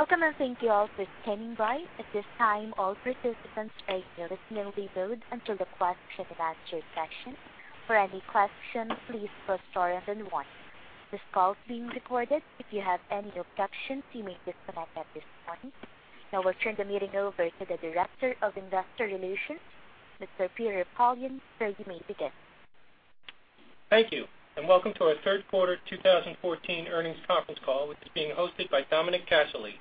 Welcome, thank you all for standing by. At this time, all participants are in listen-only mode until the question and answer session. For any questions, please press star then one. This call is being recorded. If you have any objections, you may disconnect at this time. Now we'll turn the meeting over to the Director of Investor Relations, Mr. Peter Poillon. Sir, you may begin. Thank you, welcome to our third quarter 2014 earnings conference call, which is being hosted by Dominic Casserley,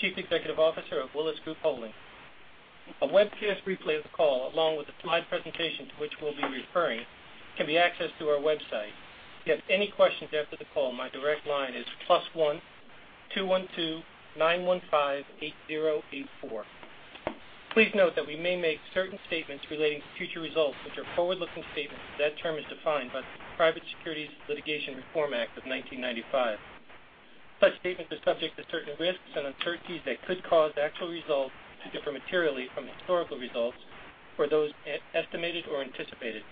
Chief Executive Officer of Willis Group Holdings. A webcast replay of the call, along with the slide presentation to which we'll be referring, can be accessed through our website. If you have any questions after the call, my direct line is +1-212-915-8084. Please note that we may make certain statements relating to future results, which are forward-looking statements as that term is defined by the Private Securities Litigation Reform Act of 1995. Such statements are subject to certain risks and uncertainties that could cause actual results to differ materially from historical results or those estimated or anticipated.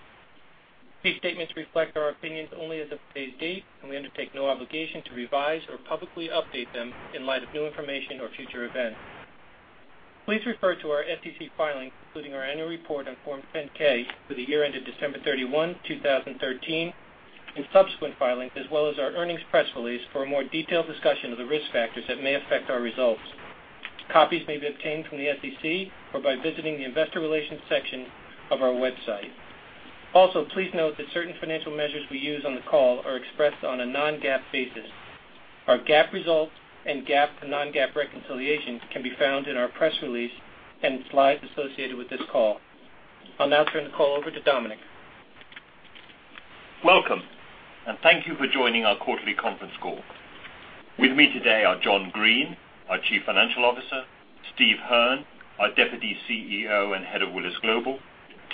These statements reflect our opinions only as of today's date, and we undertake no obligation to revise or publicly update them in light of new information or future events. Please refer to our SEC filings, including our annual report on Form 10-K for the year ended December 31, 2013, and subsequent filings, as well as our earnings press release for a more detailed discussion of the risk factors that may affect our results. Copies may be obtained from the SEC or by visiting the investor relations section of our website. Also, please note that certain financial measures we use on the call are expressed on a non-GAAP basis. Our GAAP results and GAAP to non-GAAP reconciliations can be found in our press release and slides associated with this call. I'll now turn the call over to Dominic. Welcome, thank you for joining our quarterly conference call. With me today are John Greene, our Chief Financial Officer, Steve Hearn, our Deputy CEO and Head of Willis Global,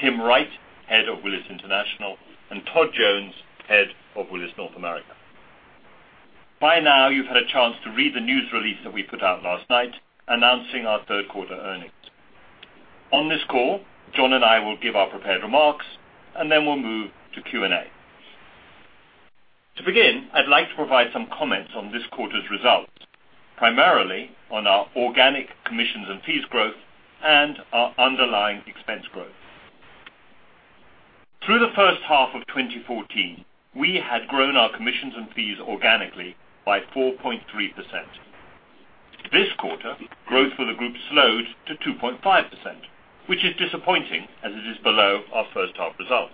Tim Wright, Head of Willis International, and Todd Jones, Head of Willis North America. By now, you've had a chance to read the news release that we put out last night announcing our third quarter earnings. On this call, John and I will give our prepared remarks, and we'll move to Q&A. To begin, I'd like to provide some comments on this quarter's results, primarily on our organic commissions and fees growth and our underlying expense growth. Through the first half of 2014, we had grown our commissions and fees organically by 4.3%. This quarter, growth for the group slowed to 2.5%, which is disappointing as it is below our first half results.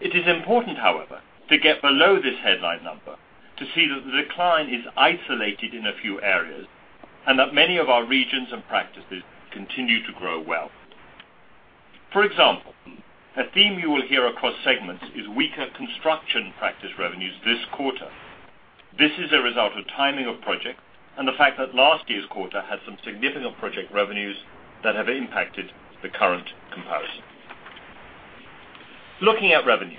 It is important, however, to get below this headline number to see that the decline is isolated in a few areas and that many of our regions and practices continue to grow well. For example, a theme you will hear across segments is weaker construction practice revenues this quarter. This is a result of timing of projects and the fact that last year's quarter had some significant project revenues that have impacted the current comparison. Looking at revenues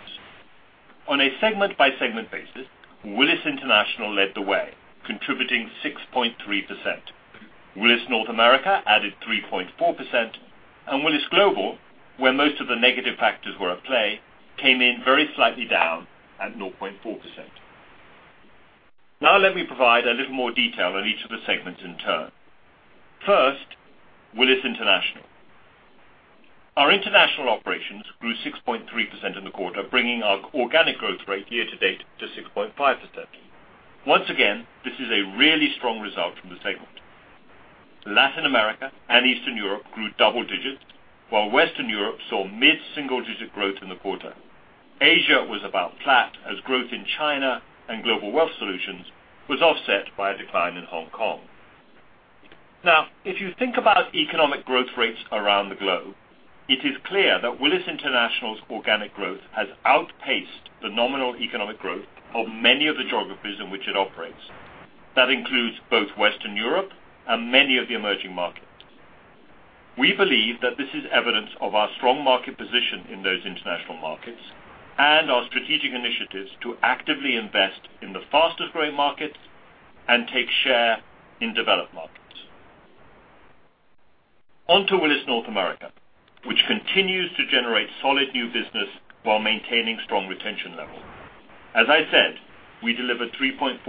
on a segment-by-segment basis, Willis International led the way, contributing 6.3%. Willis North America added 3.4%, and Willis Global, where most of the negative factors were at play, came in very slightly down at 0.4%. Let me provide a little more detail on each of the segments in turn. First, Willis International. Our international operations grew 6.3% in the quarter, bringing our organic growth rate year-to-date to 6.5%. Once again, this is a really strong result from the segment. Latin America and Eastern Europe grew double digits, while Western Europe saw mid-single-digit growth in the quarter. Asia was about flat as growth in China and global wealth solutions was offset by a decline in Hong Kong. If you think about economic growth rates around the globe, it is clear that Willis International's organic growth has outpaced the nominal economic growth of many of the geographies in which it operates. That includes both Western Europe and many of the emerging markets. We believe that this is evidence of our strong market position in those international markets and our strategic initiatives to actively invest in the fastest-growing markets and take share in developed markets. On to Willis North America, which continues to generate solid new business while maintaining strong retention levels. As I said, we delivered 3.4%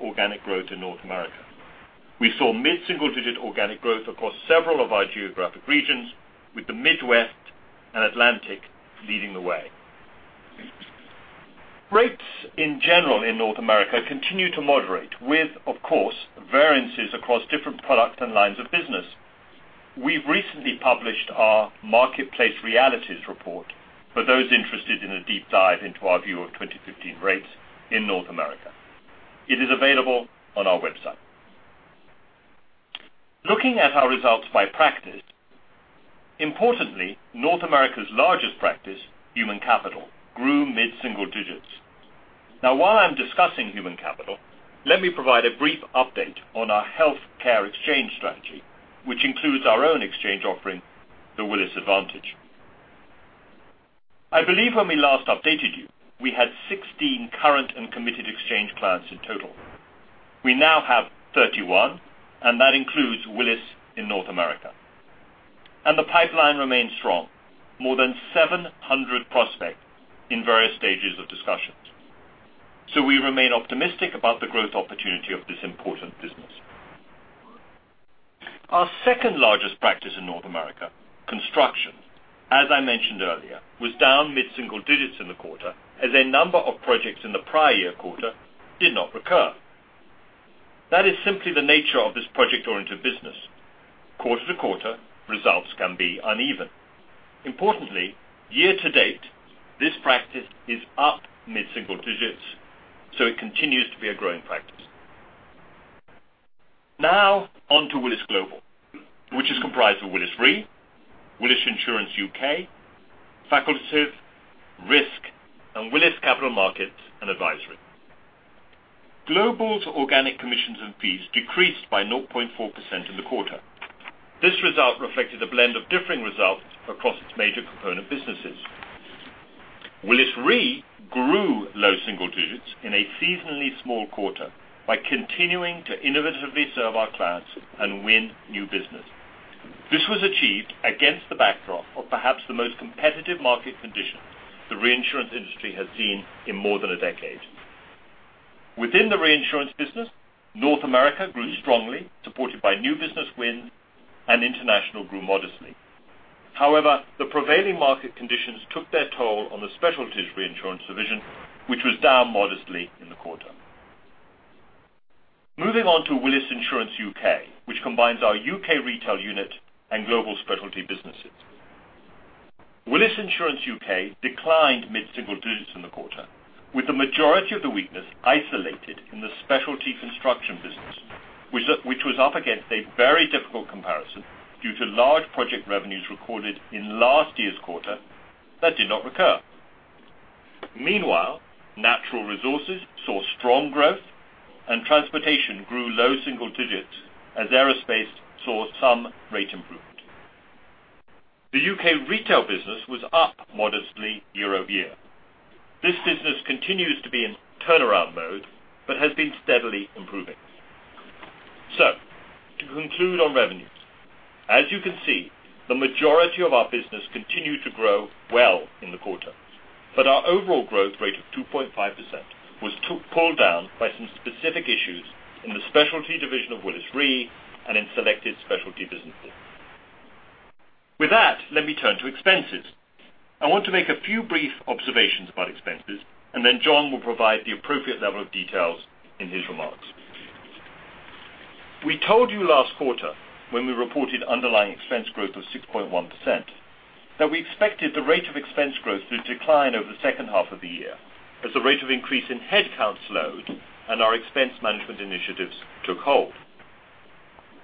organic growth in North America. We saw mid-single-digit organic growth across several of our geographic regions, with the Midwest and Atlantic leading the way. Rates in general in North America continue to moderate with, of course, variances across different products and lines of business. We've recently published our Marketplace Realities report for those interested in a deep dive into our view of 2015 rates in North America. It is available on our website. Looking at our results by practice, importantly, North America's largest practice, Human Capital, grew mid-single digits. While I'm discussing Human Capital, let me provide a brief update on our health care exchange strategy, which includes our own exchange offering, The Willis Advantage. I believe when we last updated you, we had 16 current and committed exchange clients in total. We now have 31, and that includes Willis in North America. The pipeline remains strong, more than 700 prospects in various stages of discussions. We remain optimistic about the growth opportunity of this important business. Our second largest practice in North America, construction, as I mentioned earlier, was down mid-single digits in the quarter as a number of projects in the prior year quarter did not recur. That is simply the nature of this project-oriented business. Quarter-to-quarter, results can be uneven. Importantly, year-to-date, this practice is up mid-single digits, so it continues to be a growing practice. On to Willis Global, which is comprised of Willis Re, Willis Insurance UK, Facultative, risk, and Willis Capital Markets & Advisory. Global's organic commissions and fees decreased by 0.4% in the quarter. This result reflected a blend of differing results across its major component businesses. Willis Re grew low single digits in a seasonally small quarter by continuing to innovatively serve our clients and win new business. This was achieved against the backdrop of perhaps the most competitive market condition the reinsurance industry has seen in more than a decade. Within the reinsurance business, Willis North America grew strongly, supported by new business wins, and Willis International grew modestly. However, the prevailing market conditions took their toll on the specialties reinsurance division, which was down modestly in the quarter. Moving on to Willis Insurance UK, which combines our U.K. retail unit and global specialty businesses. Willis Insurance UK declined mid-single digits in the quarter, with the majority of the weakness isolated in the specialty construction business, which was up against a very difficult comparison due to large project revenues recorded in last year's quarter that did not recur. Meanwhile, natural resources saw strong growth and transportation grew low single digits as aerospace saw some rate improvement. The U.K. retail business was up modestly year-over-year. This business continues to be in turnaround mode but has been steadily improving. To conclude on revenues, as you can see, the majority of our business continued to grow well in the quarter, but our overall growth rate of 2.5% was pulled down by some specific issues in the specialty division of Willis Re and in selected specialty businesses. With that, let me turn to expenses. I want to make a few brief observations about expenses, and then John will provide the appropriate level of details in his remarks. We told you last quarter when we reported underlying expense growth of 6.1%, that we expected the rate of expense growth to decline over the second half of the year as the rate of increase in headcounts slowed and our expense management initiatives took hold.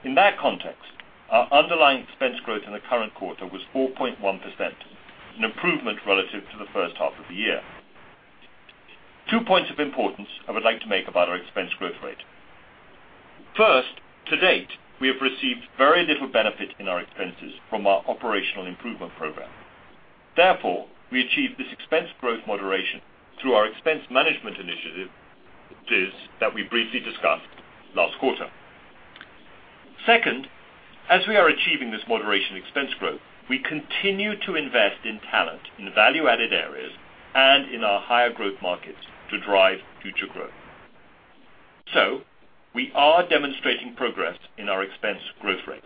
In that context, our underlying expense growth in the current quarter was 4.1%, an improvement relative to the first half of the year. Two points of importance I would like to make about our expense growth rate. First, to date, we have received very little benefit in our expenses from our Operational Improvement Program. Therefore, we achieved this expense growth moderation through our expense management initiatives that we briefly discussed last quarter. Second, as we are achieving this moderation expense growth, we continue to invest in talent in value-added areas and in our higher growth markets to drive future growth. We are demonstrating progress in our expense growth rate.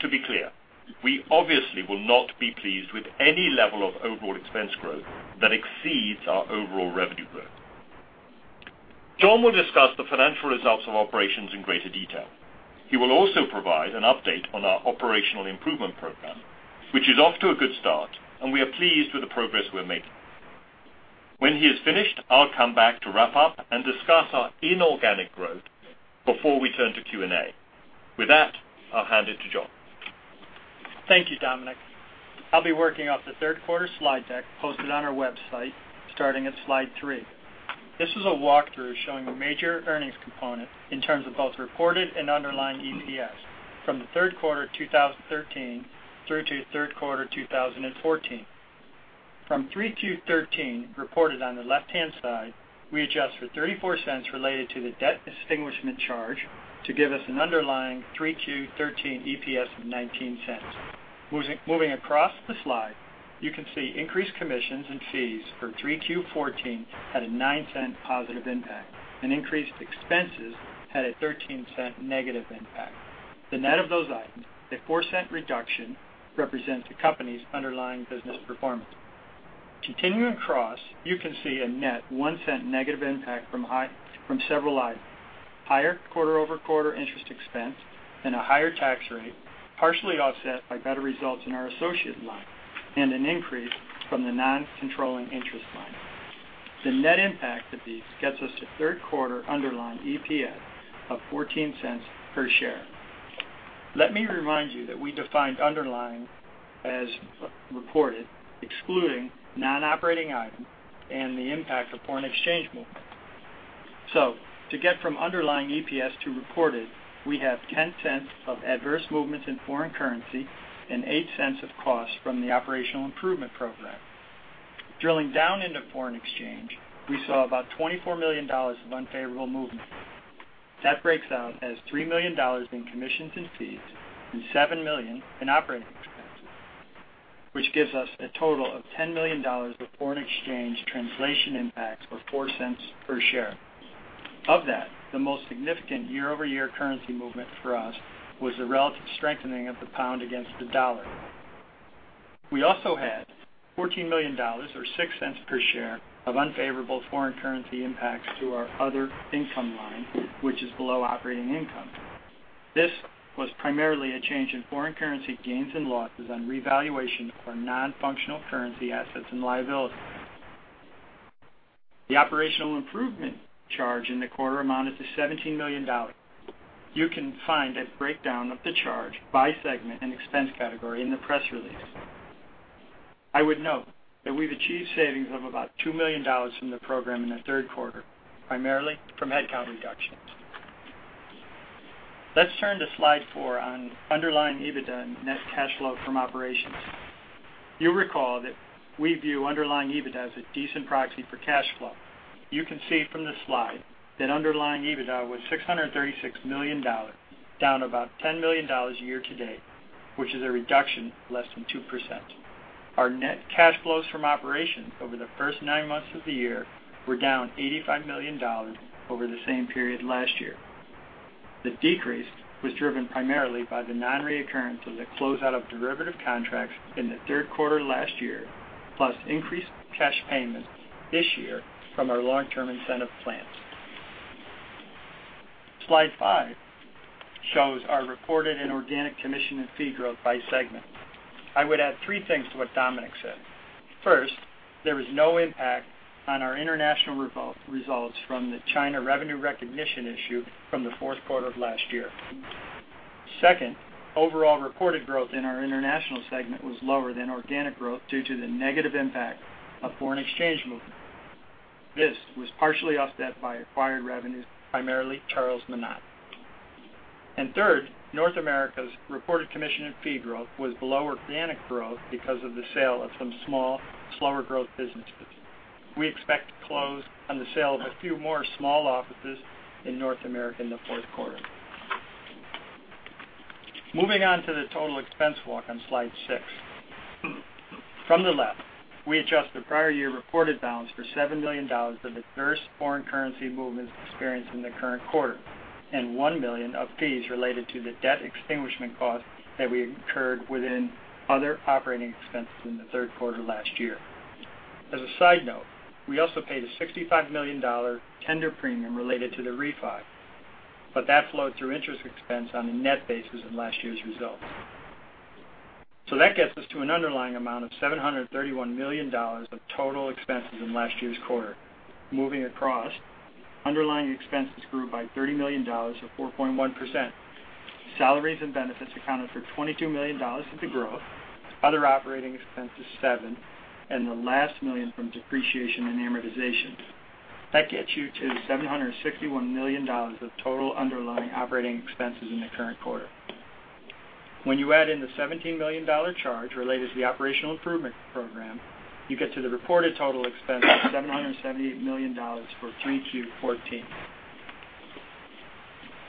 To be clear, we obviously will not be pleased with any level of overall expense growth that exceeds our overall revenue growth. John will discuss the financial results of operations in greater detail. He will also provide an update on our Operational Improvement Program, which is off to a good start, and we are pleased with the progress we're making. When he is finished, I'll come back to wrap up and discuss our inorganic growth before we turn to Q&A. With that, I'll hand it to John. Thank you, Dominic. I'll be working off the third quarter slide deck posted on our website, starting at slide three. This is a walkthrough showing the major earnings component in terms of both reported and underlying EPS from the third quarter 2013 through to third quarter 2014. From 3Q13 reported on the left-hand side, we adjust for $0.34 related to the debt extinguishment charge to give us an underlying 3Q13 EPS of $0.19. Moving across the slide, you can see increased commissions and fees for 3Q14 at a $0.09 positive impact and increased expenses had a $0.13 negative impact. The net of those items, a $0.04 reduction represents the company's underlying business performance. Continuing across, you can see a net $0.01 negative impact from several items. Higher quarter-over-quarter interest expense and a higher tax rate, partially offset by better results in our associate line and an increase from the non-controlling interest line. The net impact of these gets us to third quarter underlying EPS of $0.14 per share. Let me remind you that we defined underlying as reported, excluding non-operating items and the impact of foreign exchange movement. To get from underlying EPS to reported, we have $0.10 of adverse movements in foreign currency and $0.08 of cost from the Operational Improvement Program. Drilling down into foreign exchange, we saw about $24 million of unfavorable movement. That breaks down as $3 million in commissions and fees and $7 million in operating expenses, which gives us a total of $10 million of foreign exchange translation impacts, or $0.04 per share. Of that, the most significant year-over-year currency movement for us was the relative strengthening of the pound against the dollar. We also had $14 million, or $0.06 per share, of unfavorable foreign currency impacts to our other income line, which is below operating income. This was primarily a change in foreign currency gains and losses on revaluation of our non-functional currency assets and liabilities. The Operational Improvement charge in the quarter amounted to $17 million. You can find a breakdown of the charge by segment and expense category in the press release. I would note that we've achieved savings of about $2 million from the program in the third quarter, primarily from headcount reductions. Let's turn to slide four on underlying EBITDA and net cash flow from operations. You'll recall that we view underlying EBITDA as a decent proxy for cash flow. You can see from this slide that underlying EBITDA was $636 million, down about $10 million year-to-date, which is a reduction of less than 2%. Our net cash flows from operations over the first nine months of the year were down $85 million over the same period last year. The decrease was driven primarily by the non-reoccurrence of the closeout of derivative contracts in the third quarter last year, plus increased cash payments this year from our long-term incentive plans. Slide five shows our reported and organic commission and fee growth by segment. I would add three things to what Dominic said. First, there was no impact on our international results from the China revenue recognition issue from the fourth quarter of last year. Second, overall reported growth in our international segment was lower than organic growth due to the negative impact of foreign exchange movement. This was partially offset by acquired revenues, primarily Charles Monat. North America's reported commission and fee growth was below organic growth because of the sale of some small, slower growth businesses. We expect to close on the sale of a few more small offices in North America in the fourth quarter. Moving on to the total expense walk on slide six. From the left, we adjust the prior year reported balance for $7 million of adverse foreign currency movements experienced in the current quarter, and 1 million of fees related to the debt extinguishment cost that we incurred within other operating expenses in the third quarter last year. As a side note, we also paid a $65 million tender premium related to the refi, but that flowed through interest expense on a net basis in last year's results. That gets us to an underlying amount of $731 million of total expenses in last year's quarter. Moving across, underlying expenses grew by $30 million, or 4.1%. Salaries and benefits accounted for $22 million of the growth, other operating expenses 7, and the last 1 million from depreciation and amortization. That gets you to $761 million of total underlying operating expenses in the current quarter. When you add in the $17 million charge related to the Operational Improvement Program, you get to the reported total expense of $778 million for 3Q14.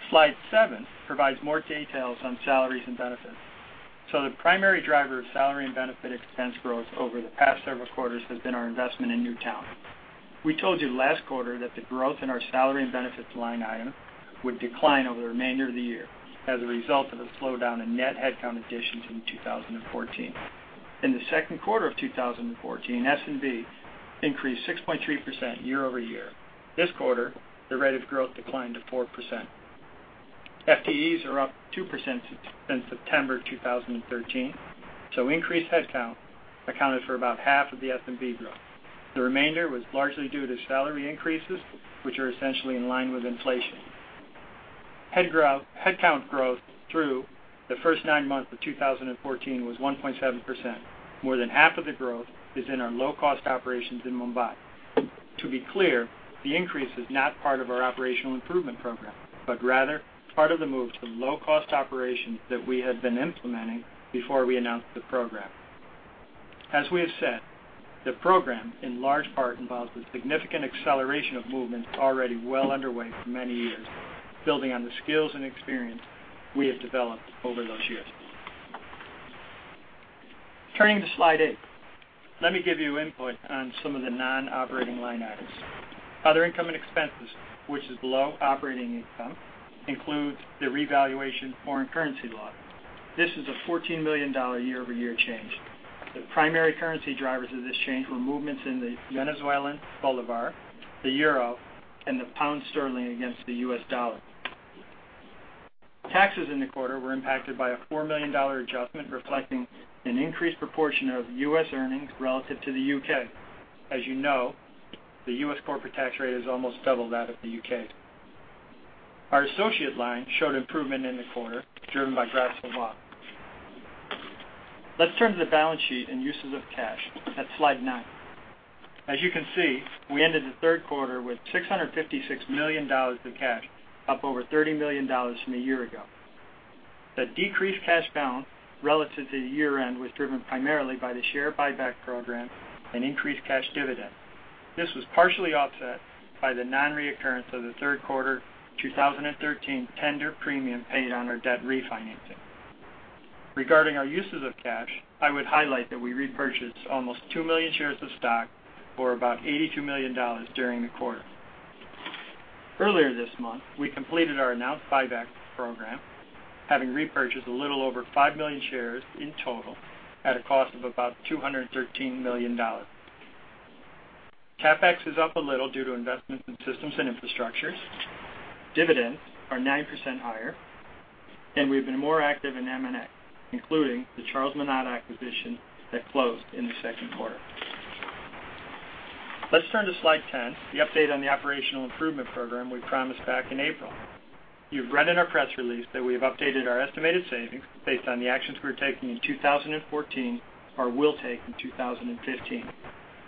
Slide seven provides more details on salaries and benefits. The primary driver of salary and benefit expense growth over the past several quarters has been our investment in new talent. We told you last quarter that the growth in our salary and benefits line item would decline over the remainder of the year as a result of a slowdown in net headcount additions in 2014. In the second quarter of 2014, S&B increased 6.3% year-over-year. This quarter, the rate of growth declined to 4%. FTEs are up 2% since September 2013, so increased headcount accounted for about half of the S&B growth. The remainder was largely due to salary increases, which are essentially in line with inflation. Headcount growth through the first nine months of 2014 was 1.7%. More than half of the growth is in our low-cost operations in Mumbai. To be clear, the increase is not part of our Operational Improvement Program, but rather part of the move to low-cost operations that we had been implementing before we announced the program. As we have said, the program in large part involves the significant acceleration of movements already well underway for many years, building on the skills and experience we have developed over those years. Turning to slide eight. Let me give you input on some of the non-operating line items. Other income and expenses, which is below operating income, includes the revaluation foreign currency loss. This is a $14 million year-over-year change. The primary currency drivers of this change were movements in the Venezuelan bolivar, the euro, and the pound sterling against the U.S. dollar. Taxes in the quarter were impacted by a $4 million adjustment reflecting an increased proportion of U.S. earnings relative to the U.K. As you know, the U.S. corporate tax rate is almost double that of the U.K. Our associate line showed improvement in the quarter, driven by Gras Savoye. Let's turn to the balance sheet and uses of cash at slide nine. As you can see, we ended the third quarter with $656 million of cash, up over $30 million from a year ago. The decreased cash balance relative to the year-end was driven primarily by the share buyback program and increased cash dividend. This was partially offset by the non-reoccurrence of the third quarter 2013 tender premium paid on our debt refinancing. Regarding our uses of cash, I would highlight that we repurchased almost 2 million shares of stock for about $82 million during the quarter. Earlier this month, we completed our announced buyback program, having repurchased a little over 5 million shares in total at a cost of about $213 million. CapEx is up a little due to investments in systems and infrastructures. Dividends are 9% higher, we've been more active in M&A, including the Charles Monat acquisition that closed in the second quarter. Let's turn to slide 10, the update on the Operational Improvement Program we promised back in April. You've read in our press release that we have updated our estimated savings based on the actions we were taking in 2014 or will take in 2015.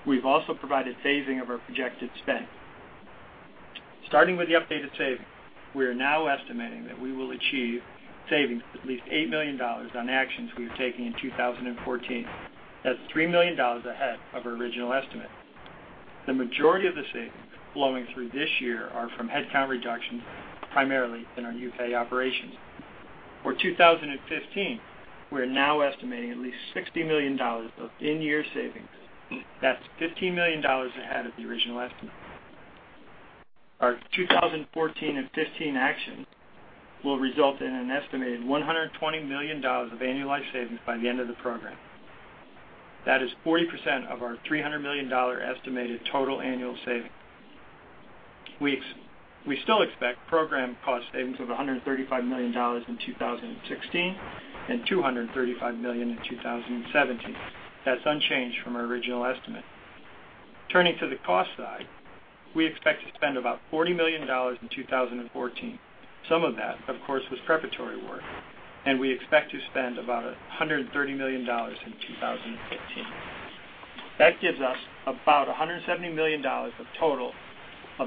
We've also provided saving of our projected spend. Starting with the updated savings, we are now estimating that we will achieve savings of at least $8 million on actions we've taken in 2014. That's $3 million ahead of our original estimate. The majority of the savings flowing through this year are from headcount reductions, primarily in our U.K. operations. For 2015, we're now estimating at least $60 million of in-year savings. That's $15 million ahead of the original estimate. Our 2014 and 2015 actions will result in an estimated $120 million of annualized savings by the end of the program. That is 40% of our $300 million estimated total annual savings. We still expect program cost savings of $135 million in 2016 and $235 million in 2017. That's unchanged from our original estimate. Turning to the cost side, we expect to spend about $40 million in 2014. Some of that, of course, was preparatory work, we expect to spend about $130 million in 2015. That gives us about $170 million of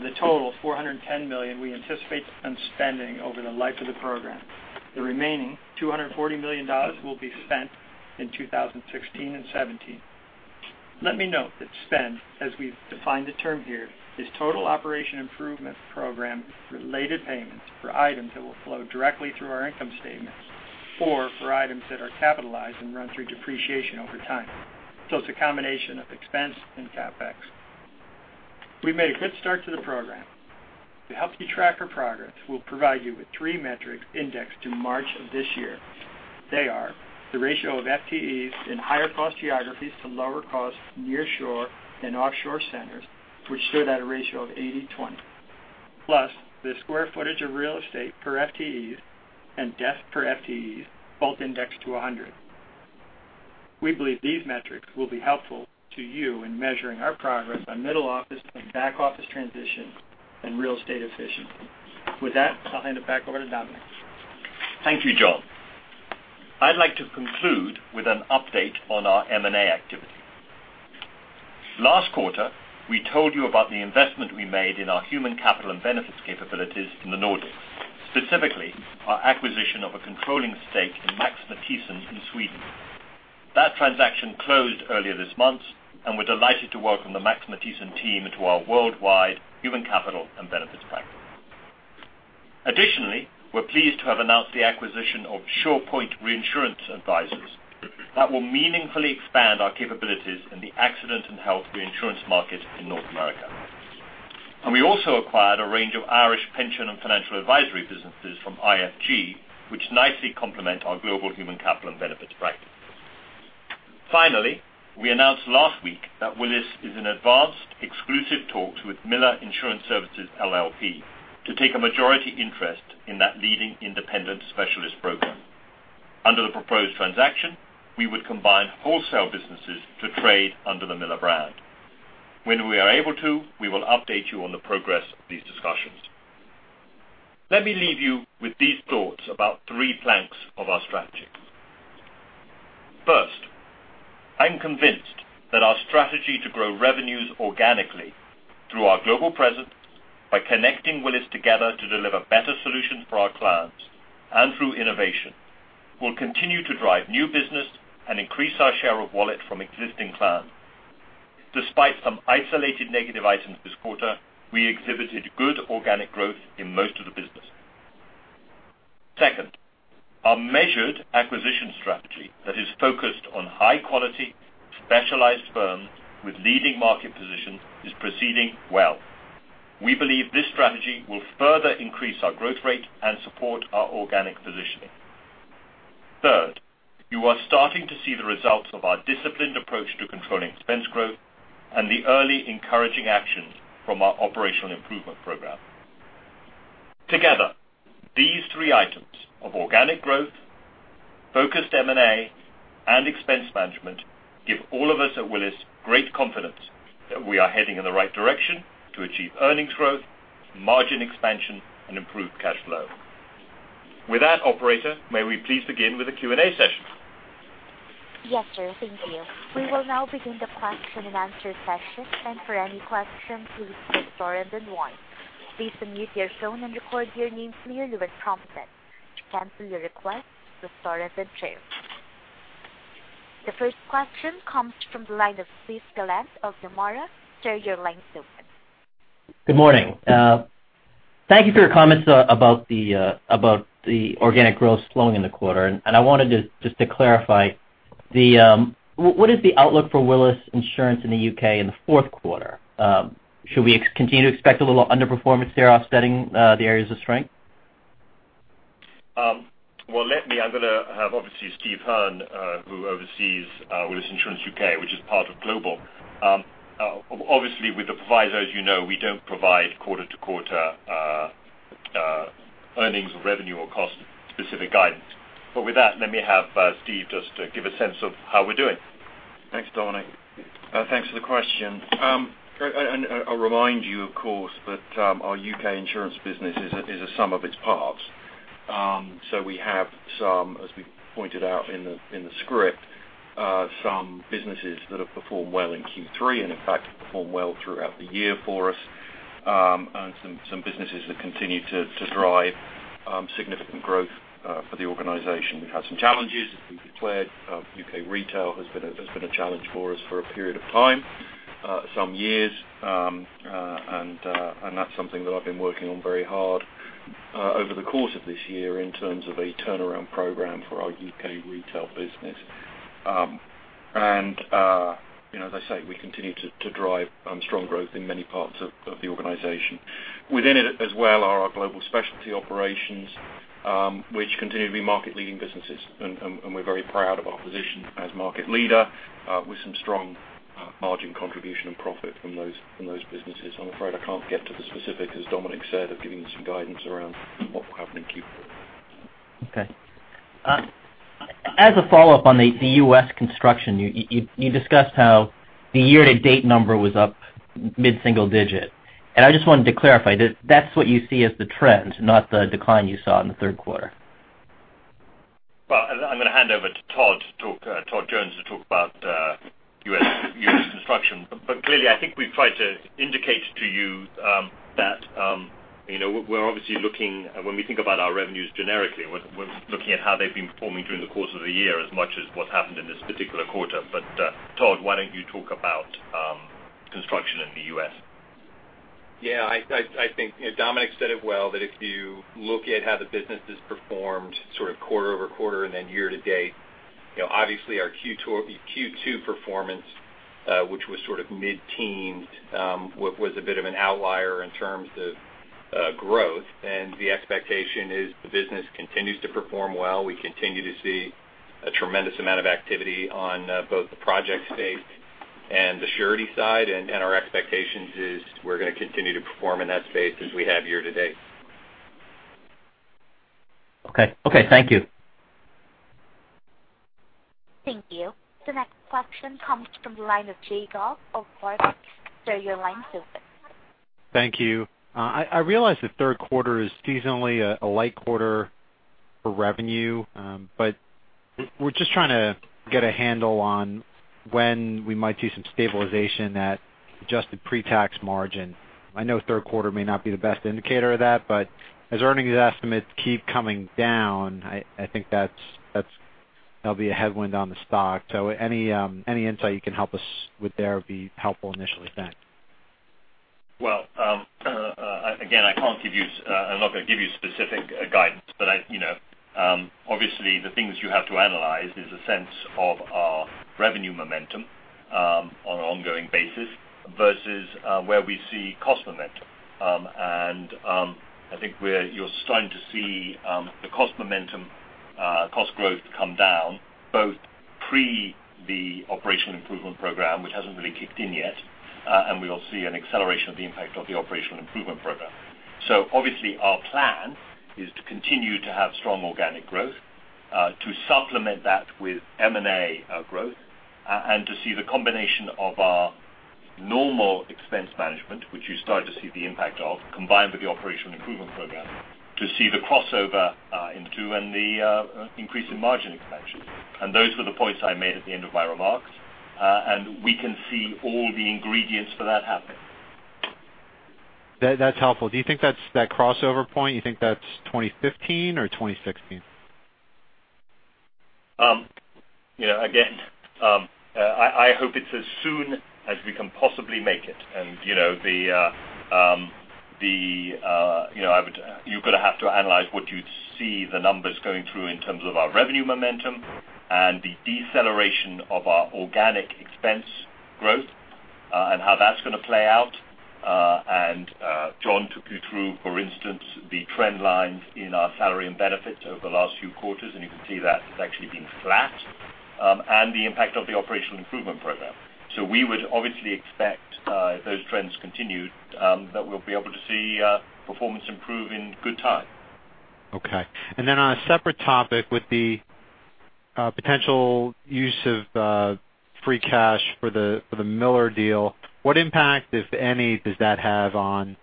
the total $410 million we anticipate on spending over the life of the program. The remaining $240 million will be spent in 2016 and 2017. Let me note that spend, as we've defined the term here, is total Operational Improvement Program-related payments for items that will flow directly through our income statement or for items that are capitalized and run through depreciation over time. It's a combination of expense and CapEx. We've made a good start to the program. To help you track our progress, we'll provide you with three metrics indexed to March of this year. They are the ratio of FTEs in higher-cost geographies to lower-cost nearshore and offshore centers, which stood at a ratio of 80/20. Plus, the square footage of real estate per FTEs and desk per FTEs, both indexed to 100. We believe these metrics will be helpful to you in measuring our progress on middle-office and back-office transition and real estate efficiency. With that, I'll hand it back over to Dominic. Thank you, John. I'd like to conclude with an update on our M&A activity. Last quarter, we told you about the investment we made in our Human Capital and benefits capabilities in the Nordics, specifically our acquisition of a controlling stake in Max Matthiessen in Sweden. That transaction closed earlier this month, and we're delighted to welcome the Max Matthiessen team into our worldwide Human Capital and benefits practice. Additionally, we're pleased to have announced the acquisition of SurePoint Reinsurance Advisors. That will meaningfully expand our capabilities in the accident and health reinsurance market in North America. We also acquired a range of Irish pension and financial advisory businesses from IFG, which nicely complement our global Human Capital and benefits practice. Finally, we announced last week that Willis is in advanced, exclusive talks with Miller Insurance Services LLP to take a majority interest in that leading independent specialist program. Under the proposed transaction, we would combine wholesale businesses to trade under the Miller brand. When we are able to, we will update you on the progress of these discussions. Let me leave you with these thoughts about three planks of our strategy. First, I'm convinced that our strategy to grow revenues organically through our global presence by Connecting Willis together to deliver better solutions for our clients and through innovation, will continue to drive new business and increase our share of wallet from existing clients. Despite some isolated negative items this quarter, we exhibited good organic growth in most of the business. Second, our measured acquisition strategy that is focused on high-quality, specialized firms with leading market positions is proceeding well. We believe this strategy will further increase our growth rate and support our organic positioning. Third, you are starting to see the results of our disciplined approach to controlling expense growth and the early encouraging actions from our Operational Improvement Program. Together, these three items of organic growth, focused M&A, and expense management give all of us at Willis great confidence that we are heading in the right direction to achieve earnings growth, margin expansion, and improved cash flow. With that, operator, may we please begin with the Q&A session? Yes, sir. Thank you. We will now begin the question and answer session. For any questions, please press star then one. Please unmute your phone and record your name clearly when prompted. To cancel your request, press star then zero. The first question comes from the line of Steve Gallant of Nomura. Sir, your line's open. Good morning. Thank you for your comments about the organic growth slowing in the quarter. I wanted just to clarify. What is the outlook for Willis Insurance in the U.K. in the fourth quarter? Should we continue to expect a little underperformance there offsetting the areas of strength? Well, let me. I'm going to have, obviously, Steve Hearn, who oversees Willis Insurance U.K., which is part of Willis Global. Obviously, with the providers, we don't provide quarter to quarter earnings or revenue or cost specific guidance. With that, let me have Steve just to give a sense of how we're doing. Thanks, Dominic. Thanks for the question. I'll remind you, of course, that our U.K. insurance business is a sum of its parts. We have some, as we pointed out in the script, some businesses that have performed well in Q3 and, in fact, have performed well throughout the year for us, and some businesses that continue to drive significant growth for the organization. We've had some challenges, as we've declared. U.K. retail has been a challenge for us for a period of time, some years. That's something that I've been working on very hard over the course of this year in terms of a turnaround program for our U.K. retail business. As I say, we continue to drive strong growth in many parts of the organization. Within it as well are our global specialty operations, which continue to be market leading businesses. We're very proud of our position as market leader with some strong margin contribution and profit from those businesses. I'm afraid I can't get to the specific, as Dominic said, of giving you some guidance around what will happen in Q4. Okay. As a follow-up on the U.S. construction, you discussed how the year-to-date number was up mid-single digit. I just wanted to clarify, that's what you see as the trend, not the decline you saw in the third quarter. Well, I'm going to hand over to Todd Jones to talk about U.S. construction. Clearly, I think we've tried to indicate to you that we're obviously looking, when we think about our revenues generically, we're looking at how they've been performing during the course of the year as much as what's happened in this particular quarter. Todd, why don't you talk about construction in the U.S.? Yeah, I think Dominic said it well, that if you look at how the business has performed sort of quarter-over-quarter and then year-to-date, obviously our Q2 performance, which was sort of mid-teens, was a bit of an outlier in terms of growth. The expectation is the business continues to perform well. We continue to see a tremendous amount of activity on both the project space and the surety side. Our expectations is we're going to continue to perform in that space as we have year-to-date. Okay. Thank you. Thank you. The next question comes from the line of Jay Gelb of Barclays. Sir, your line is open. Thank you. I realize the third quarter is seasonally a light quarter for revenue. We're just trying to get a handle on when we might see some stabilization at adjusted pre-tax margin. I know third quarter may not be the best indicator of that, but as earnings estimates keep coming down, I think that'll be a headwind on the stock. Any insight you can help us with there would be helpful initially. Thanks. Well, again, I'm not going to give you specific guidance. Obviously the things you have to analyze is a sense of our revenue momentum on an ongoing basis versus where we see cost momentum. I think you're starting to see the cost momentum, cost growth come down both pre the Operational Improvement Program, which hasn't really kicked in yet. We'll see an acceleration of the impact of the Operational Improvement Program. Obviously our plan is to continue to have strong organic growth, to supplement that with M&A growth, and to see the combination of our normal expense management, which you started to see the impact of, combined with the Operational Improvement Program, to see the crossover into and the increase in margin expansion. Those were the points I made at the end of my remarks. We can see all the ingredients for that happening. That's helpful. Do you think that crossover point, you think that's 2015 or 2016? Again, I hope it's as soon as we can possibly make it. You're going to have to analyze what you see the numbers going through in terms of our revenue momentum and the deceleration of our organic expense growth, and how that's going to play out. John Greene took you through, for instance, the trend lines in our salary and benefits over the last few quarters, and you can see that it's actually been flat, and the impact of the Operational Improvement Program. We would obviously expect if those trends continue, that we'll be able to see performance improve in good time. Okay. On a separate topic with the potential use of free cash for the Miller deal, what impact, if any, does that have on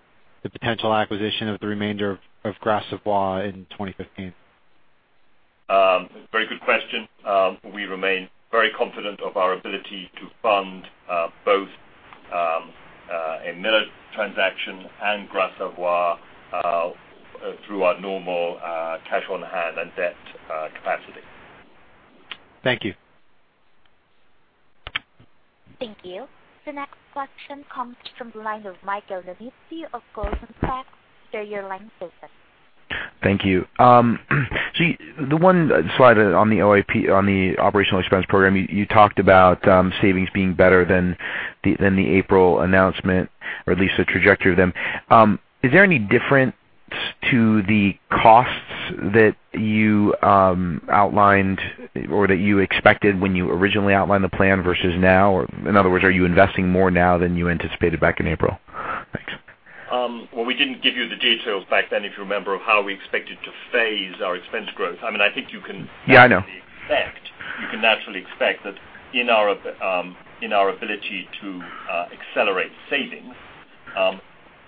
the potential acquisition of the remainder of Gras Savoye in 2015. Very good question. We remain very confident of our ability to fund both a Miller transaction and Gras Savoye through our normal cash on hand and debt capacity. Thank you. Thank you. The next question comes from the line of Michael Nannizzi of Goldman Sachs. Sir, your line is open. Thank you. The one slide on the OIP, on the operational expense program, you talked about savings being better than the April announcement, or at least the trajectory of them. Is there any difference to the costs that you outlined or that you expected when you originally outlined the plan versus now? In other words, are you investing more now than you anticipated back in April? Thanks. Well, we didn't give you the details back then, if you remember, of how we expected to phase our expense growth. I think you Yeah, I know Naturally expect that in our ability to accelerate savings,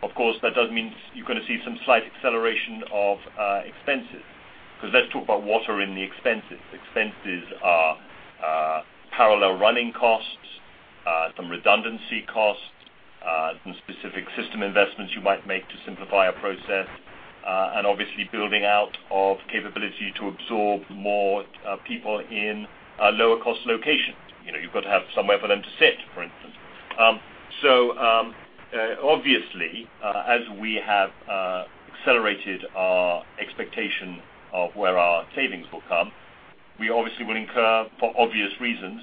of course, that does mean you're going to see some slight acceleration of expenses. Let's talk about what are in the expenses. Expenses are parallel running costs, some redundancy costs, some specific system investments you might make to simplify a process, and obviously building out of capability to absorb more people in a lower cost location. You've got to have somewhere for them to sit, for instance. Obviously, as we have accelerated our expectation of where our savings will come, we obviously will incur, for obvious reasons,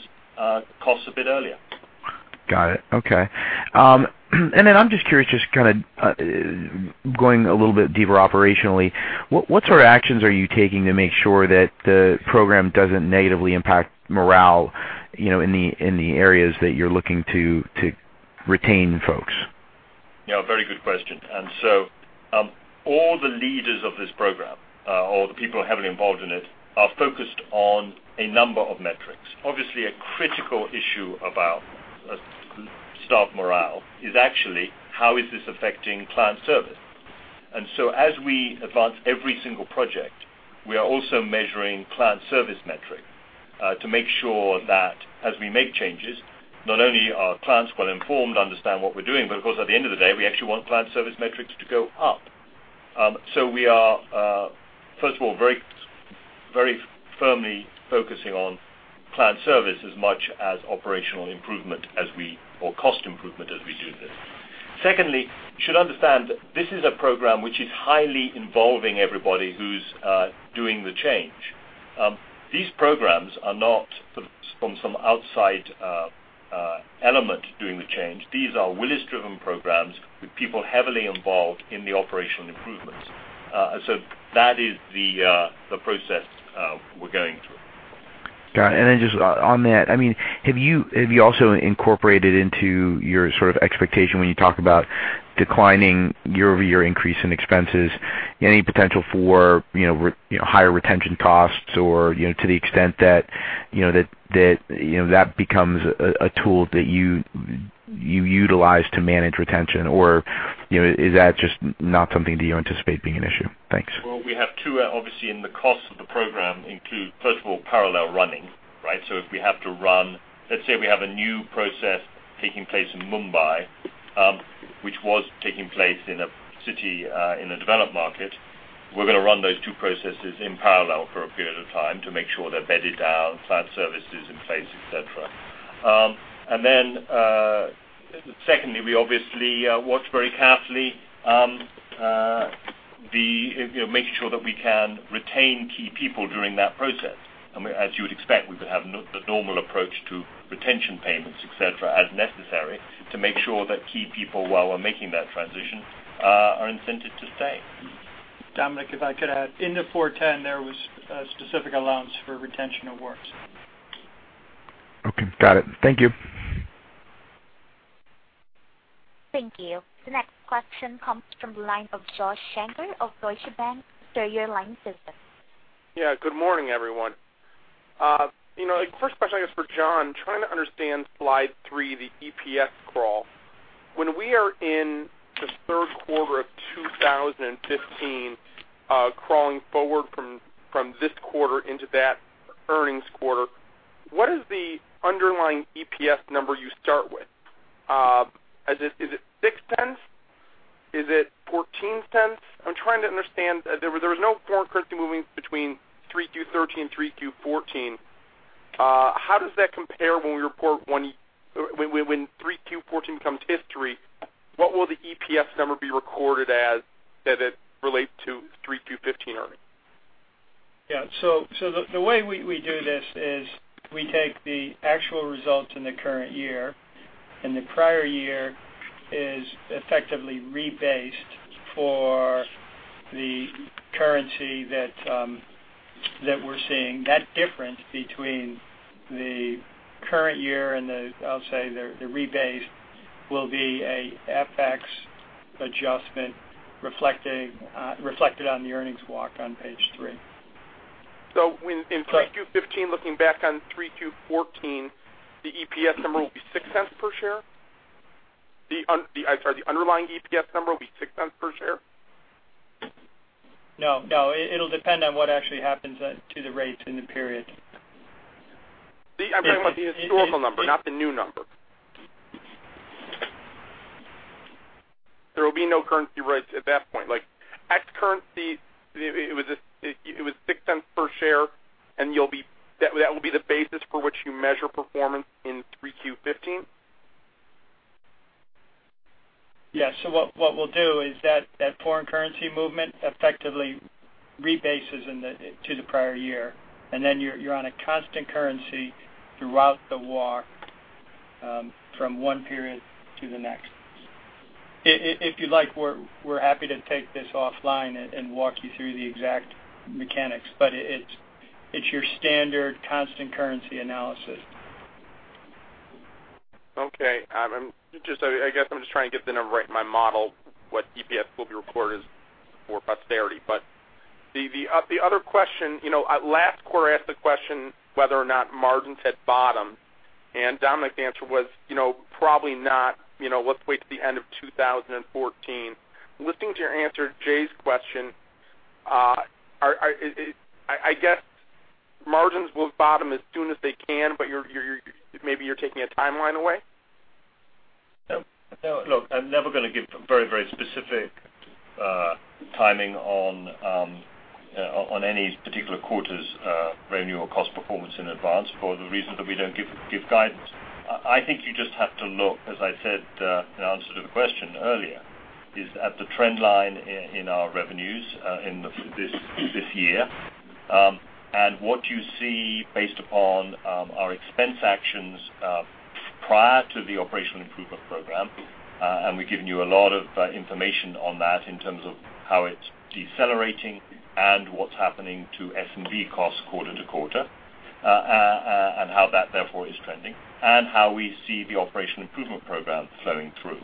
costs a bit earlier. Got it. Okay. I'm just curious, just going a little bit deeper operationally, what sort of actions are you taking to make sure that the program doesn't negatively impact morale in the areas that you're looking to retain folks? Yeah, very good question. All the leaders of this program, or the people heavily involved in it, are focused on a number of metrics. Obviously, a critical issue about staff morale is actually how is this affecting client service. As we advance every single project, we are also measuring client service metric to make sure that as we make changes, not only are clients well informed, understand what we're doing, but of course, at the end of the day, we actually want client service metrics to go up. We are, first of all, very firmly focusing on client service as much as operational improvement or cost improvement as we do this. Secondly, you should understand this is a program which is highly involving everybody who's doing the change. These programs are not from some outside element doing the change. These are Willis-driven programs with people heavily involved in the operational improvements. That is the process we're going through. Got it. Just on that, have you also incorporated into your expectation when you talk about declining year-over-year increase in expenses, any potential for higher retention costs or to the extent that becomes a tool that you utilize to manage retention? Is that just not something that you anticipate being an issue? Thanks. Well, we have two obviously in the cost of the program include, first of all, parallel running. If we have to run, let's say we have a new process taking place in Mumbai, which was taking place in a city in a developed market. We're going to run those two processes in parallel for a period of time to make sure they're bedded down, plant services in place, et cetera. Secondly, we obviously watch very carefully making sure that we can retain key people during that process. As you would expect, we could have the normal approach to retention payments, et cetera, as necessary to make sure that key people, while we're making that transition, are incented to stay. Dominic, if I could add. In the 410, there was a specific allowance for retention awards. Okay, got it. Thank you. Thank you. The next question comes from the line of Josh Shanker of Deutsche Bank. Sir, your line is open. Good morning, everyone. First question is for John. Trying to understand slide three, the EPS crawl. When we are in the third quarter of 2015, crawling forward from this quarter into that earnings quarter, what is the underlying EPS number you start with? Is it $0.06? Is it $0.14? I am trying to understand. There was no foreign currency movement between 3Q 2013, 3Q 2014. How does that compare when 3Q 2014 comes to history, what will the EPS number be recorded as that it relates to 3Q 2015 earnings? The way we do this is we take the actual results in the current year, and the prior year is effectively rebased for the currency that we are seeing. That difference between the current year and the, I will say, the rebase will be a FX adjustment reflected on the earnings walk on page three. In Q3 2015, looking back on Q3 2014, the EPS number will be $0.06 per share? I am sorry, the underlying EPS number will be $0.06 per share? No. It'll depend on what actually happens to the rates in the period. I'm talking about the historical number, not the new number. There will be no currency rates at that point. Like ex-currency, it was $0.06 per share. That will be the basis for which you measure performance in Q3 2015? Yeah. What we'll do is that foreign currency movement effectively rebases to the prior year. Then you're on a constant currency throughout the walk from one period to the next. If you'd like, we're happy to take this offline and walk you through the exact mechanics, it's your standard constant currency analysis. Okay. I guess I'm just trying to get the number right in my model, what EPS will be reported as for posterity. The other question, last quarter I asked the question whether or not margins had bottomed. Dominic, the answer was, probably not, let's wait till the end of 2014. Listening to your answer to Jay's question, I guess margins will bottom as soon as they can, maybe you're taking a timeline away? No. Look, I'm never going to give very specific timing on any particular quarter's revenue or cost performance in advance for the reason that we don't give guidance. I think you just have to look, as I said in answer to the question earlier, is at the trend line in our revenues this year. What you see based upon our expense actions prior to the Operational Improvement Program, and we've given you a lot of information on that in terms of how it's decelerating and what's happening to S&B costs quarter-to-quarter, and how that therefore is trending, and how we see the Operational Improvement Program flowing through.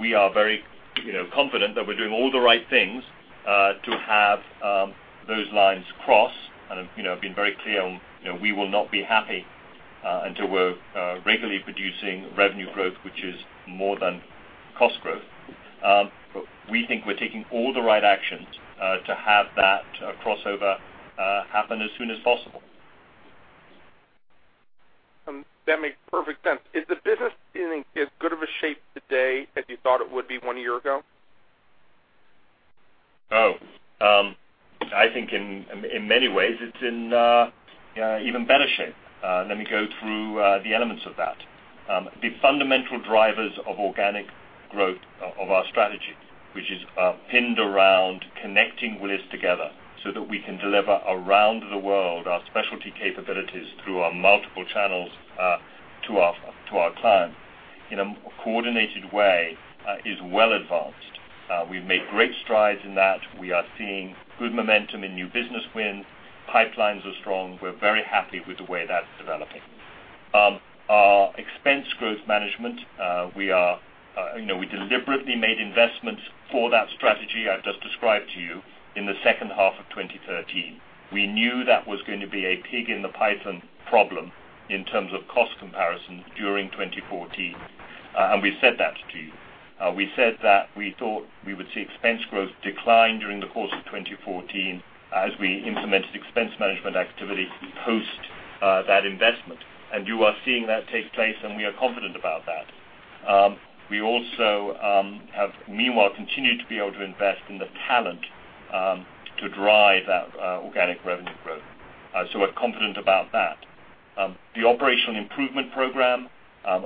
We are very confident that we're doing all the right things to have those lines cross and have been very clear on we will not be happy until we're regularly producing revenue growth, which is more than cost growth. We think we're taking all the right actions to have that crossover happen as soon as possible. That makes perfect sense. Is the business in as good of a shape today as you thought it would be one year ago? I think in many ways it's in even better shape. Let me go through the elements of that. The fundamental drivers of organic growth of our strategy, which is pinned around Connecting Willis together so that we can deliver around the world our specialty capabilities through our multiple channels to our client in a coordinated way, is well advanced. We've made great strides in that. We are seeing good momentum in new business wins. Pipelines are strong. We're very happy with the way that's developing. Our expense growth management, we deliberately made investments for that strategy I've just described to you in the second half of 2013. We knew that was going to be a pig in the python problem in terms of cost comparisons during 2014, and we said that to you. We said that we thought we would see expense growth decline during the course of 2014 as we implemented expense management activity post that investment. You are seeing that take place, and we are confident about that. We also have meanwhile continued to be able to invest in the talent to drive that organic revenue growth. We're confident about that. The Operational Improvement Program,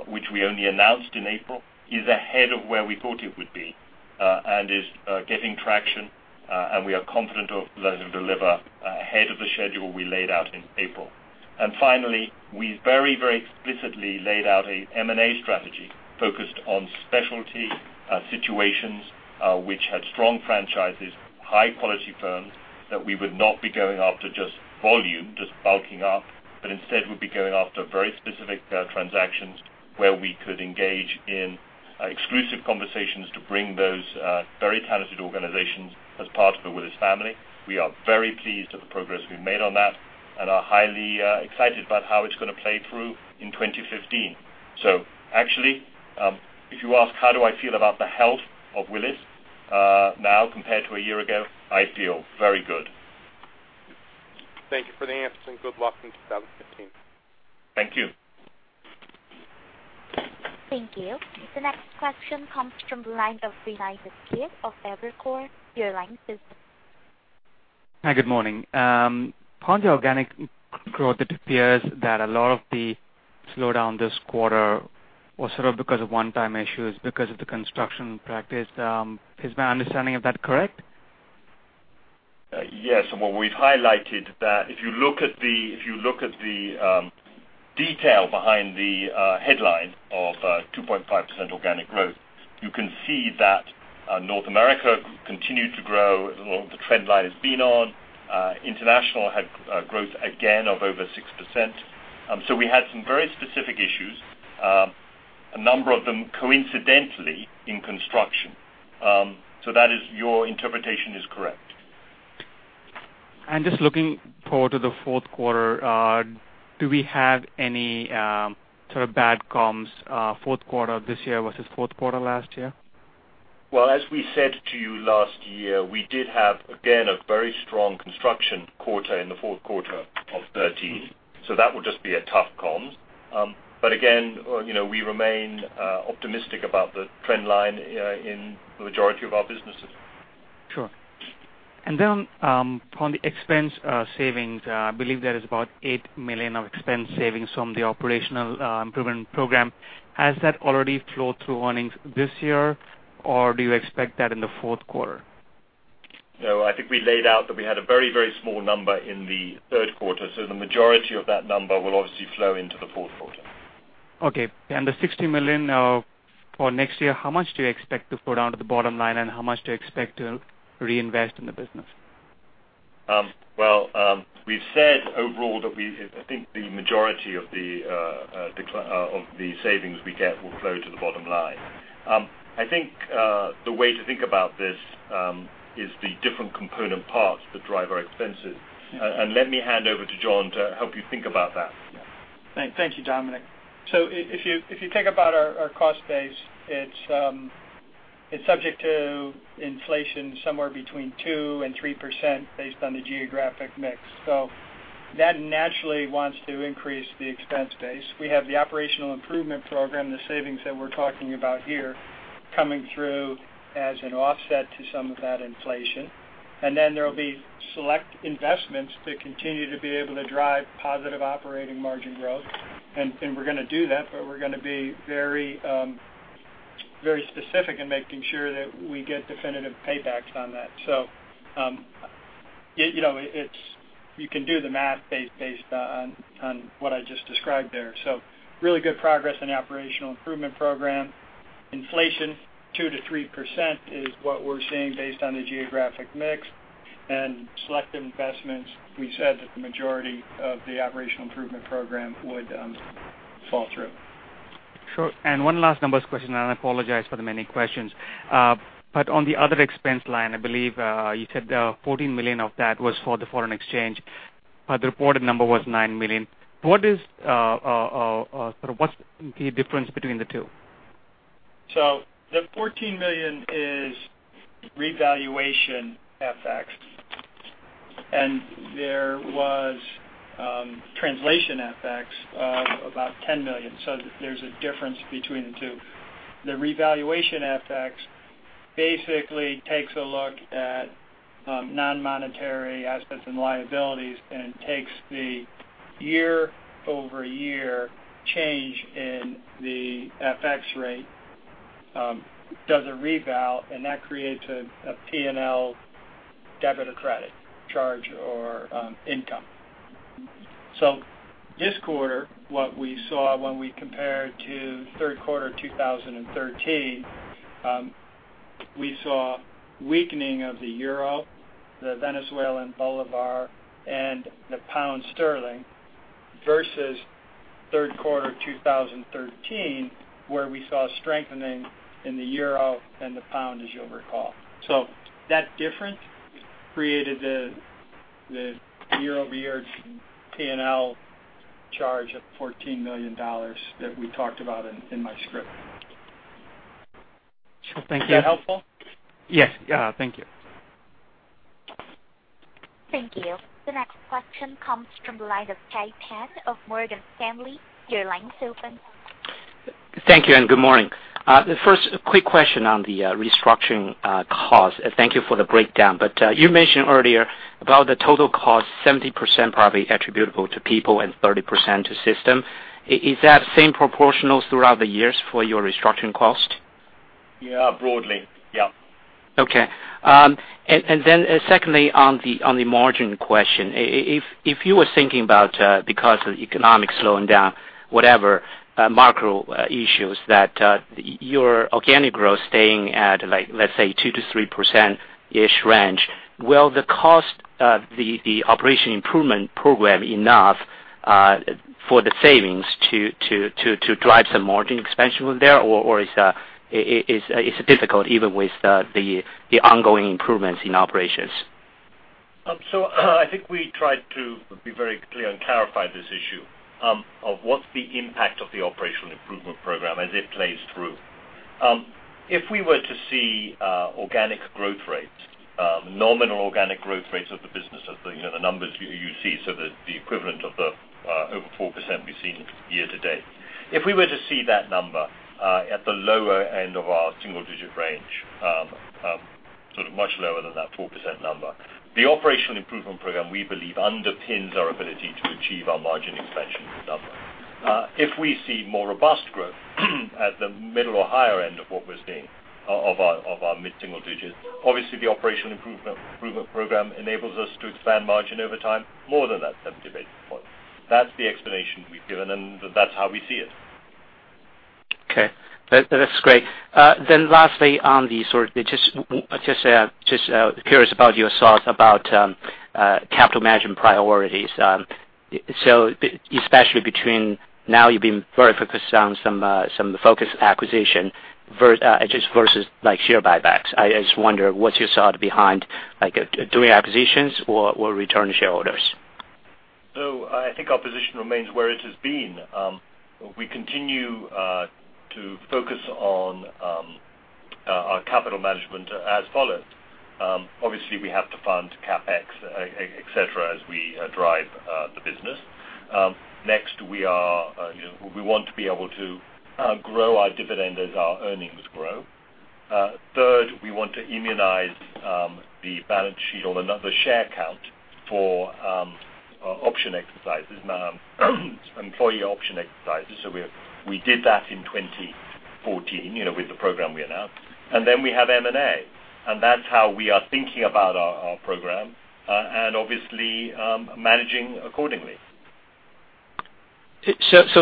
which we only announced in April, is ahead of where we thought it would be and is getting traction, and we are confident it'll deliver ahead of the schedule we laid out in April. Finally, we very explicitly laid out an M&A strategy focused on specialty situations which had strong franchises, high-quality firms, that we would not be going after just volume, just bulking up, but instead would be going after very specific transactions where we could engage in exclusive conversations to bring those very talented organizations as part of the Willis family. We are very pleased with the progress we've made on that and are highly excited about how it's going to play through in 2015. Actually, if you ask how do I feel about the health of Willis now compared to a year ago, I feel very good. Thank you for the answers, and good luck in 2015. Thank you. Thank you. The next question comes from the line of Renita Skiff of Evercore. Your line is open. Hi, good morning. On the organic growth, it appears that a lot of the slowdown this quarter was sort of because of one-time issues because of the construction practice. Is my understanding of that correct? Yes. What we've highlighted that if you look at the detail behind the headline of 2.5% organic growth, you can see that Willis North America continued to grow at the trend line it's been on. Willis International had growth again of over 6%. We had some very specific issues, a number of them coincidentally in construction. Your interpretation is correct. Just looking forward to the fourth quarter, do we have any sort of bad comps, fourth quarter of this year versus fourth quarter last year? As we said to you last year, we did have, again, a very strong construction quarter in the fourth quarter of 2013. That would just be a tough comps. Again, we remain optimistic about the trend line in the majority of our businesses. Sure. On the expense savings, I believe there is about $8 million of expense savings from the Operational Improvement Program. Has that already flowed through earnings this year, or do you expect that in the fourth quarter? No, I think we laid out that we had a very, very small number in the third quarter. The majority of that number will obviously flow into the fourth quarter. Okay. The $60 million for next year, how much do you expect to flow down to the bottom line, and how much do you expect to reinvest in the business? Well, we've said overall that I think the majority of the savings we get will flow to the bottom line. I think the way to think about this is the different component parts that drive our expenses. Let me hand over to John to help you think about that. Yeah. Thank you, Dominic. If you think about our cost base, it's subject to inflation somewhere between 2% and 3% based on the geographic mix. That naturally wants to increase the expense base. We have the Operational Improvement Program, the savings that we're talking about here, coming through as an offset to some of that inflation. Then there'll be select investments that continue to be able to drive positive operating margin growth, and we're going to do that, but we're going to be very specific in making sure that we get definitive paybacks on that. You can do the math based on what I just described there. Really good progress in the Operational Improvement Program. Inflation 2% to 3% is what we're seeing based on the geographic mix. Select investments, we said that the majority of the Operational Improvement Program would fall through. Sure. One last numbers question, and I apologize for the many questions. On the other expense line, I believe, you said $14 million of that was for the foreign exchange, but the reported number was $9 million. What's the difference between the two? The $14 million is revaluation FX. There was translation FX of about $10 million. There's a difference between the two. The revaluation FX basically takes a look at non-monetary assets and liabilities and takes the year-over-year change in the FX rate, does a reval, and that creates a P&L debit or credit charge or income. This quarter, what we saw when we compared to third quarter 2013, we saw a weakening of the euro, the Venezuelan bolivar, and the pound sterling versus third quarter 2013, where we saw a strengthening in the euro and the pound, as you'll recall. That difference created the year-over-year P&L charge of $14 million that we talked about in my script. Sure. Thank you. Is that helpful? Yes. Thank you. Thank you. The next question comes from the line of Kai Pan of Morgan Stanley. Your line is open. Thank you, and good morning. First, a quick question on the restructuring cost. Thank you for the breakdown. You mentioned earlier about the total cost, 70% probably attributable to people and 30% to system. Is that same proportionals throughout the years for your restructuring cost? Yeah. Broadly. Yeah. Okay. Secondly, on the margin question, if you were thinking about because of the economic slowing down, whatever macro issues that your organic growth staying at, let's say 2%-3%-ish range, will the cost of the Operational Improvement Program enough for the savings to drive some margin expansion there, or it's difficult even with the ongoing improvements in operations? I think we tried to be very clear and clarify this issue of what's the impact of the Operational Improvement Program as it plays through. If we were to see nominal organic growth rates of the business of the numbers you see, so the equivalent of the over 4% we've seen year-to-date. If we were to see that number at the lower end of our single-digit range, much lower than that 4% number, the Operational Improvement Program, we believe, underpins our ability to achieve our margin expansion number. If we see more robust growth at the middle or higher end of what we're seeing of our mid-single digits, obviously the Operational Improvement Program enables us to expand margin over time more than that. [inaudible] That's the explanation we've given, and that's how we see it. Okay. That's great. Lastly, just curious about your thoughts about capital management priorities especially between now you've been very focused on some of the focus acquisition just versus share buybacks. I just wonder what you saw behind doing acquisitions or return to shareholders. I think our position remains where it has been. We continue to focus on our capital management as follows. Obviously, we have to fund CapEx, et cetera, as we drive the business. Next, we want to be able to grow our dividend as our earnings grow. Third, we want to immunize the balance sheet on another share count for option exercises, employee option exercises. We did that in 2014, with the program we announced. We have M&A, and that's how we are thinking about our program, and obviously, managing accordingly.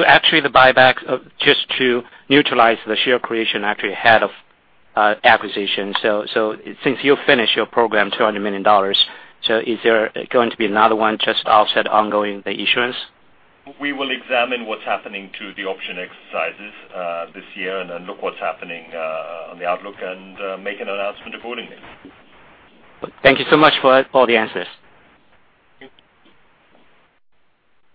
Actually the buyback, just to neutralize the share creation actually ahead of acquisition. Since you've finished your program, $200 million, is there going to be another one just to offset ongoing the issuance? We will examine what's happening to the option exercises this year and then look what's happening on the outlook and make an announcement accordingly. Thank you so much for all the answers.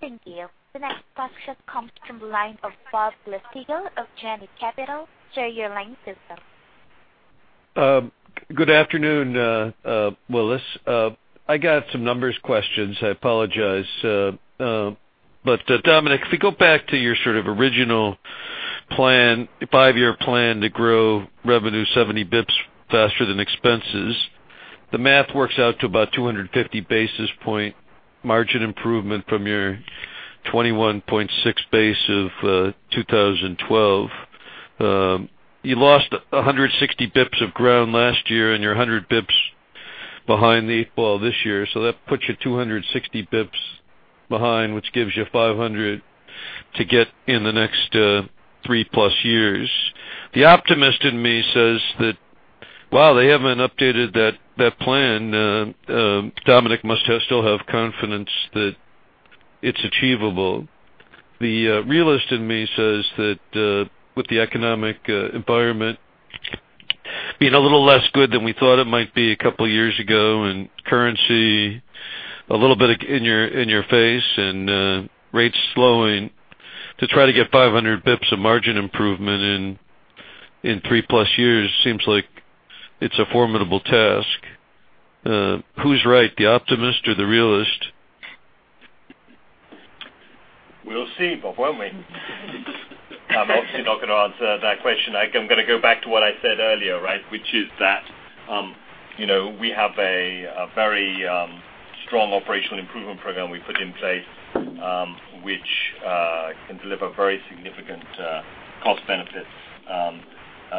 Thank you. The next question comes from the line of Bob Glasspiegel of Janney Capital Markets. Your line is open. Good afternoon, Willis. I got some numbers questions. I apologize. Dominic, if we go back to your sort of original five-year plan to grow revenue 70 basis points faster than expenses, the math works out to about 250 basis point margin improvement from your 21.6% base of 2012. You lost 160 basis points of ground last year and you're 100 basis points behind the eight ball this year. That puts you 260 basis points behind, which gives you 500 basis points to get in the next three plus years. The optimist in me says that while they haven't updated that plan, Dominic must still have confidence that it's achievable. The realist in me says that with the economic environment being a little less good than we thought it might be a couple of years ago, currency a little bit in your face and rates slowing to try to get 500 basis points of margin improvement in three plus years seems like it's a formidable task. Who's right, the optimist or the realist? We'll see, Bob, won't we? I'm obviously not going to answer that question. I'm going to go back to what I said earlier, right? Which is that we have a very strong operational improvement program we put in place, which can deliver very significant cost benefits.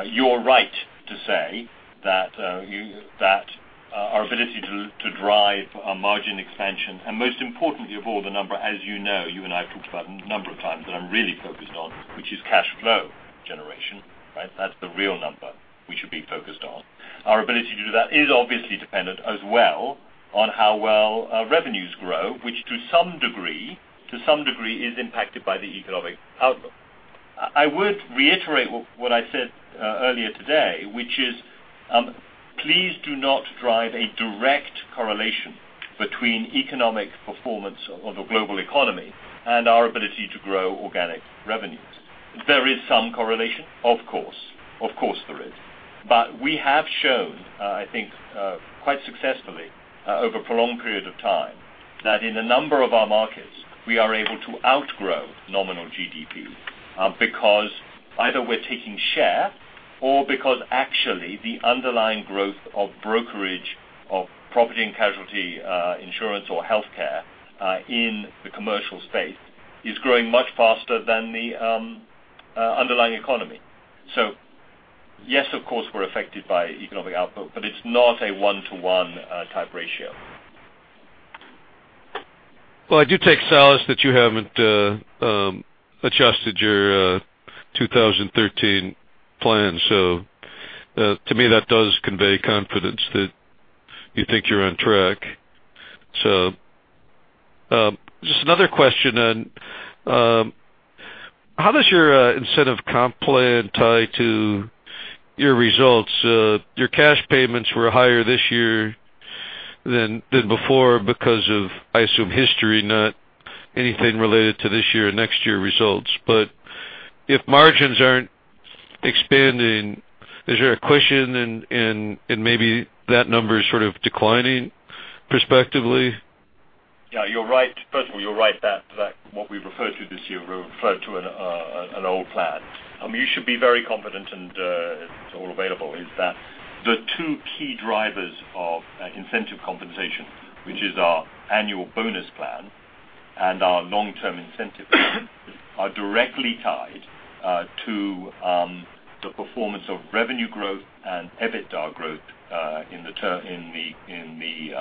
You're right to say that our ability to drive a margin expansion, and most importantly of all, the number, as you know, you and I have talked about a number of times that I'm really focused on, which is cash flow generation, right? That's the real number we should be focused on. Our ability to do that is obviously dependent as well on how well our revenues grow, which to some degree is impacted by the economic outlook. I would reiterate what I said earlier today, which is please do not drive a direct correlation between economic performance of the global economy and our ability to grow organic revenues. There is some correlation, of course. Of course, there is. We have shown, I think quite successfully over a prolonged period of time that in a number of our markets, we are able to outgrow nominal GDP because either we're taking share or because actually the underlying growth of brokerage of property and casualty insurance or healthcare in the commercial space is growing much faster than the underlying economy. Yes, of course, we're affected by economic output, but it's not a one-to-one type ratio. Well, I do take solace that you haven't adjusted your 2013 plan. To me, that does convey confidence that you think you're on track. Just another question then. How does your incentive comp plan tie to your results? Your cash payments were higher this year than before because of, I assume, history, not anything related to this year or next year results. If margins aren't expanding, is there a question and maybe that number is sort of declining perspectively? Yeah, you're right. First of all, you're right that what we referred to this year referred to an old plan. You should be very confident, and it's all available, is that the two key drivers of incentive compensation, which is our annual bonus plan and our long term incentive plan, are directly tied to the performance of revenue growth and EBITDA growth in the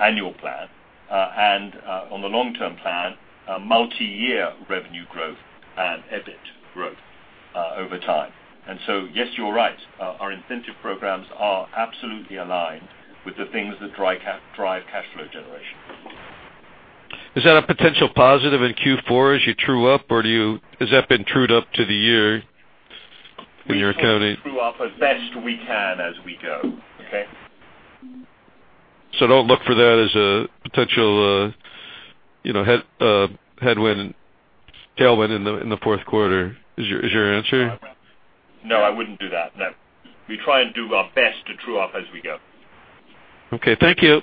annual plan. On the long term plan, multi-year revenue growth and EBIT growth Over time. Yes, you're right. Our incentive programs are absolutely aligned with the things that drive cash flow generation. Is that a potential positive in Q4 as you true up, or has that been trued up to the year in your accounting? We true up as best we can as we go. Okay? Don't look for that as a potential tailwind in the fourth quarter is your answer? No, I wouldn't do that, no. We try and do our best to true up as we go. Okay, thank you.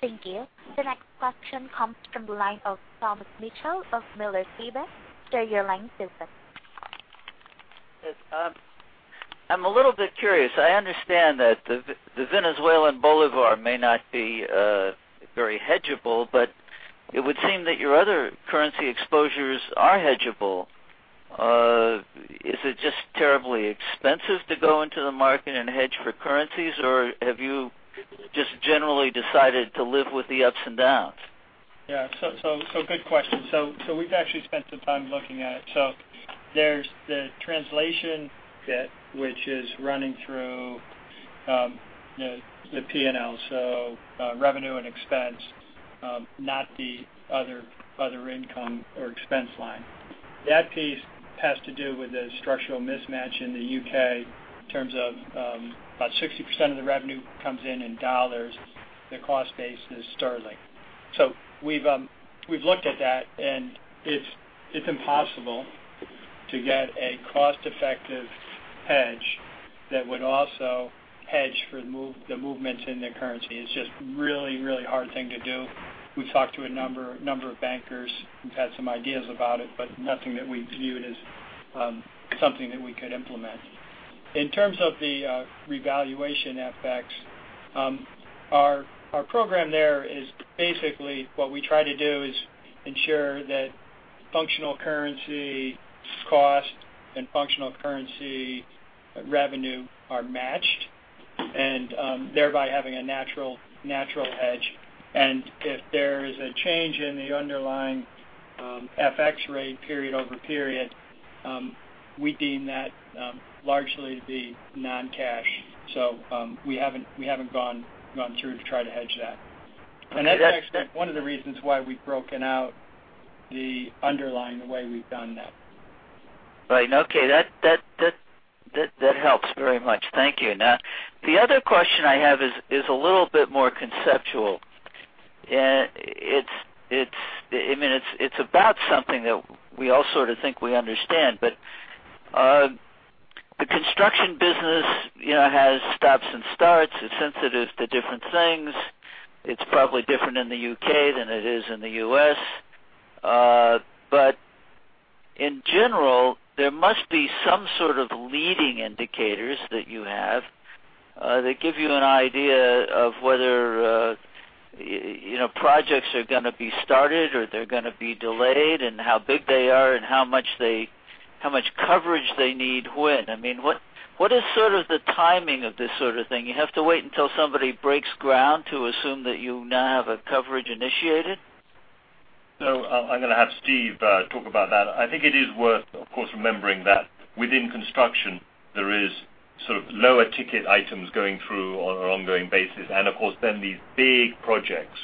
Thank you. The next question comes from the line of Thomas Mitchell of Miller Tabak. Sir, your line is open. I'm a little bit curious. I understand that the Venezuelan bolivar may not be very hedgeable, it would seem that your other currency exposures are hedgeable. Is it just terribly expensive to go into the market and hedge for currencies, or have you just generally decided to live with the ups and downs? Yeah. Good question. We've actually spent some time looking at it. There's the translation bit, which is running through the P&L. Revenue and expense, not the other income or expense line. That piece has to do with the structural mismatch in the U.K. in terms of about 60% of the revenue comes in U.S. dollars, the cost base is pound sterling. We've looked at that, and it's impossible to get a cost-effective hedge that would also hedge for the movements in the currency. It's just a really hard thing to do. We've talked to a number of bankers who've had some ideas about it, nothing that we viewed as something that we could implement. In terms of the revaluation FX, our program there is basically what we try to do is ensure that functional currency cost and functional currency revenue are matched, thereby having a natural hedge. If there is a change in the underlying FX rate period over period, we deem that largely to be non-cash. We haven't gone through to try to hedge that. That's actually one of the reasons why we've broken out the underlying the way we've done now. Right. Okay. That helps very much. Thank you. Now, the other question I have is a little bit more conceptual. It's about something that we all sort of think we understand, but the construction business has stops and starts. It's sensitive to different things. It's probably different in the U.K. than it is in the U.S. In general, there must be some sort of leading indicators that you have that give you an idea of whether projects are going to be started or they're going to be delayed, and how big they are and how much coverage they need when. What is the timing of this sort of thing? You have to wait until somebody breaks ground to assume that you now have a coverage initiated? I'm going to have Steve talk about that. I think it is worth, of course, remembering that within construction, there is sort of lower ticket items going through on an ongoing basis. Of course, then these big projects,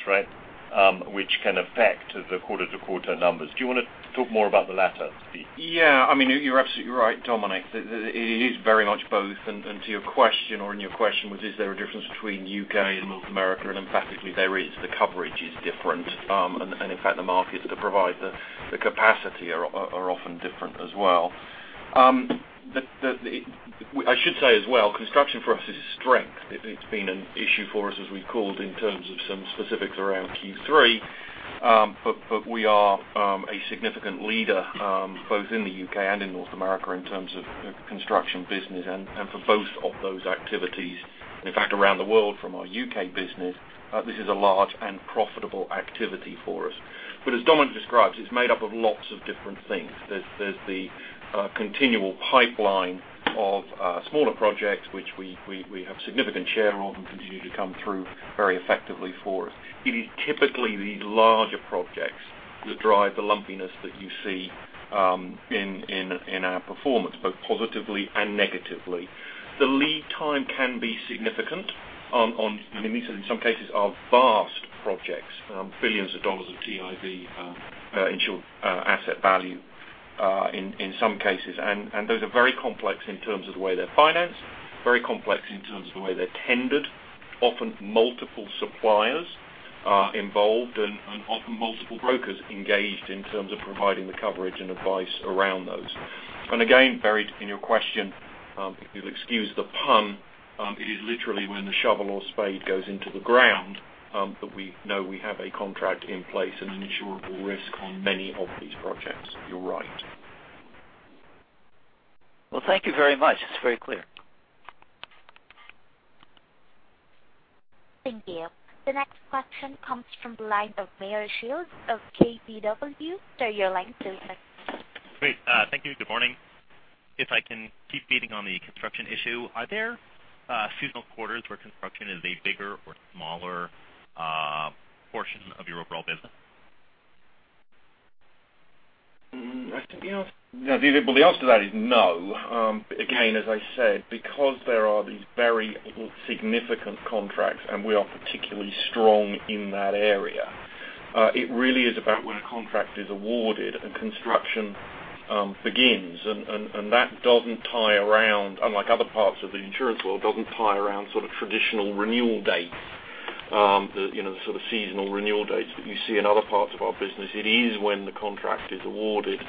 which can affect the quarter-to-quarter numbers. Do you want to talk more about the latter, Steve? Yeah, you're absolutely right, Dominic. It is very much both. To your question, or in your question was, is there a difference between U.K. and North America? Emphatically there is. The coverage is different. In fact, the markets that provide the capacity are often different as well. I should say as well, construction for us is a strength. It's been an issue for us, as we called in terms of some specifics around Q3. We are a significant leader both in the U.K. and in North America in terms of construction business and for both of those activities. In fact, around the world from our U.K. business, this is a large and profitable activity for us. As Dominic describes, it's made up of lots of different things. There's the continual pipeline of smaller projects, which we have significant share of and continue to come through very effectively for us. It is typically the larger projects that drive the lumpiness that you see in our performance, both positively and negatively. The lead time can be significant on, in some cases, are vast projects, $billions of TIV insured asset value in some cases. Those are very complex in terms of the way they're financed, very complex in terms of the way they're tendered. Often multiple suppliers are involved and often multiple brokers engaged in terms of providing the coverage and advice around those. Again, buried in your question, if you'll excuse the pun, it is literally when the shovel or spade goes into the ground that we know we have a contract in place and an insurable risk on many of these projects. You're right. Well, thank you very much. It's very clear. Thank you. The next question comes from the line of Meyer Shields of KBW. Sir, your line is open. Great. Thank you. Good morning. If I can keep feeding on the construction issue, are there seasonal quarters where construction is a bigger or smaller portion of your overall business? I think the answer to that is no. As I said, because there are these very significant contracts and we are particularly strong in that area, it really is about when a contract is awarded and construction begins. That, unlike other parts of the insurance world, doesn't tie around traditional renewal dates, the sort of seasonal renewal dates that you see in other parts of our business. It is when the contract is awarded.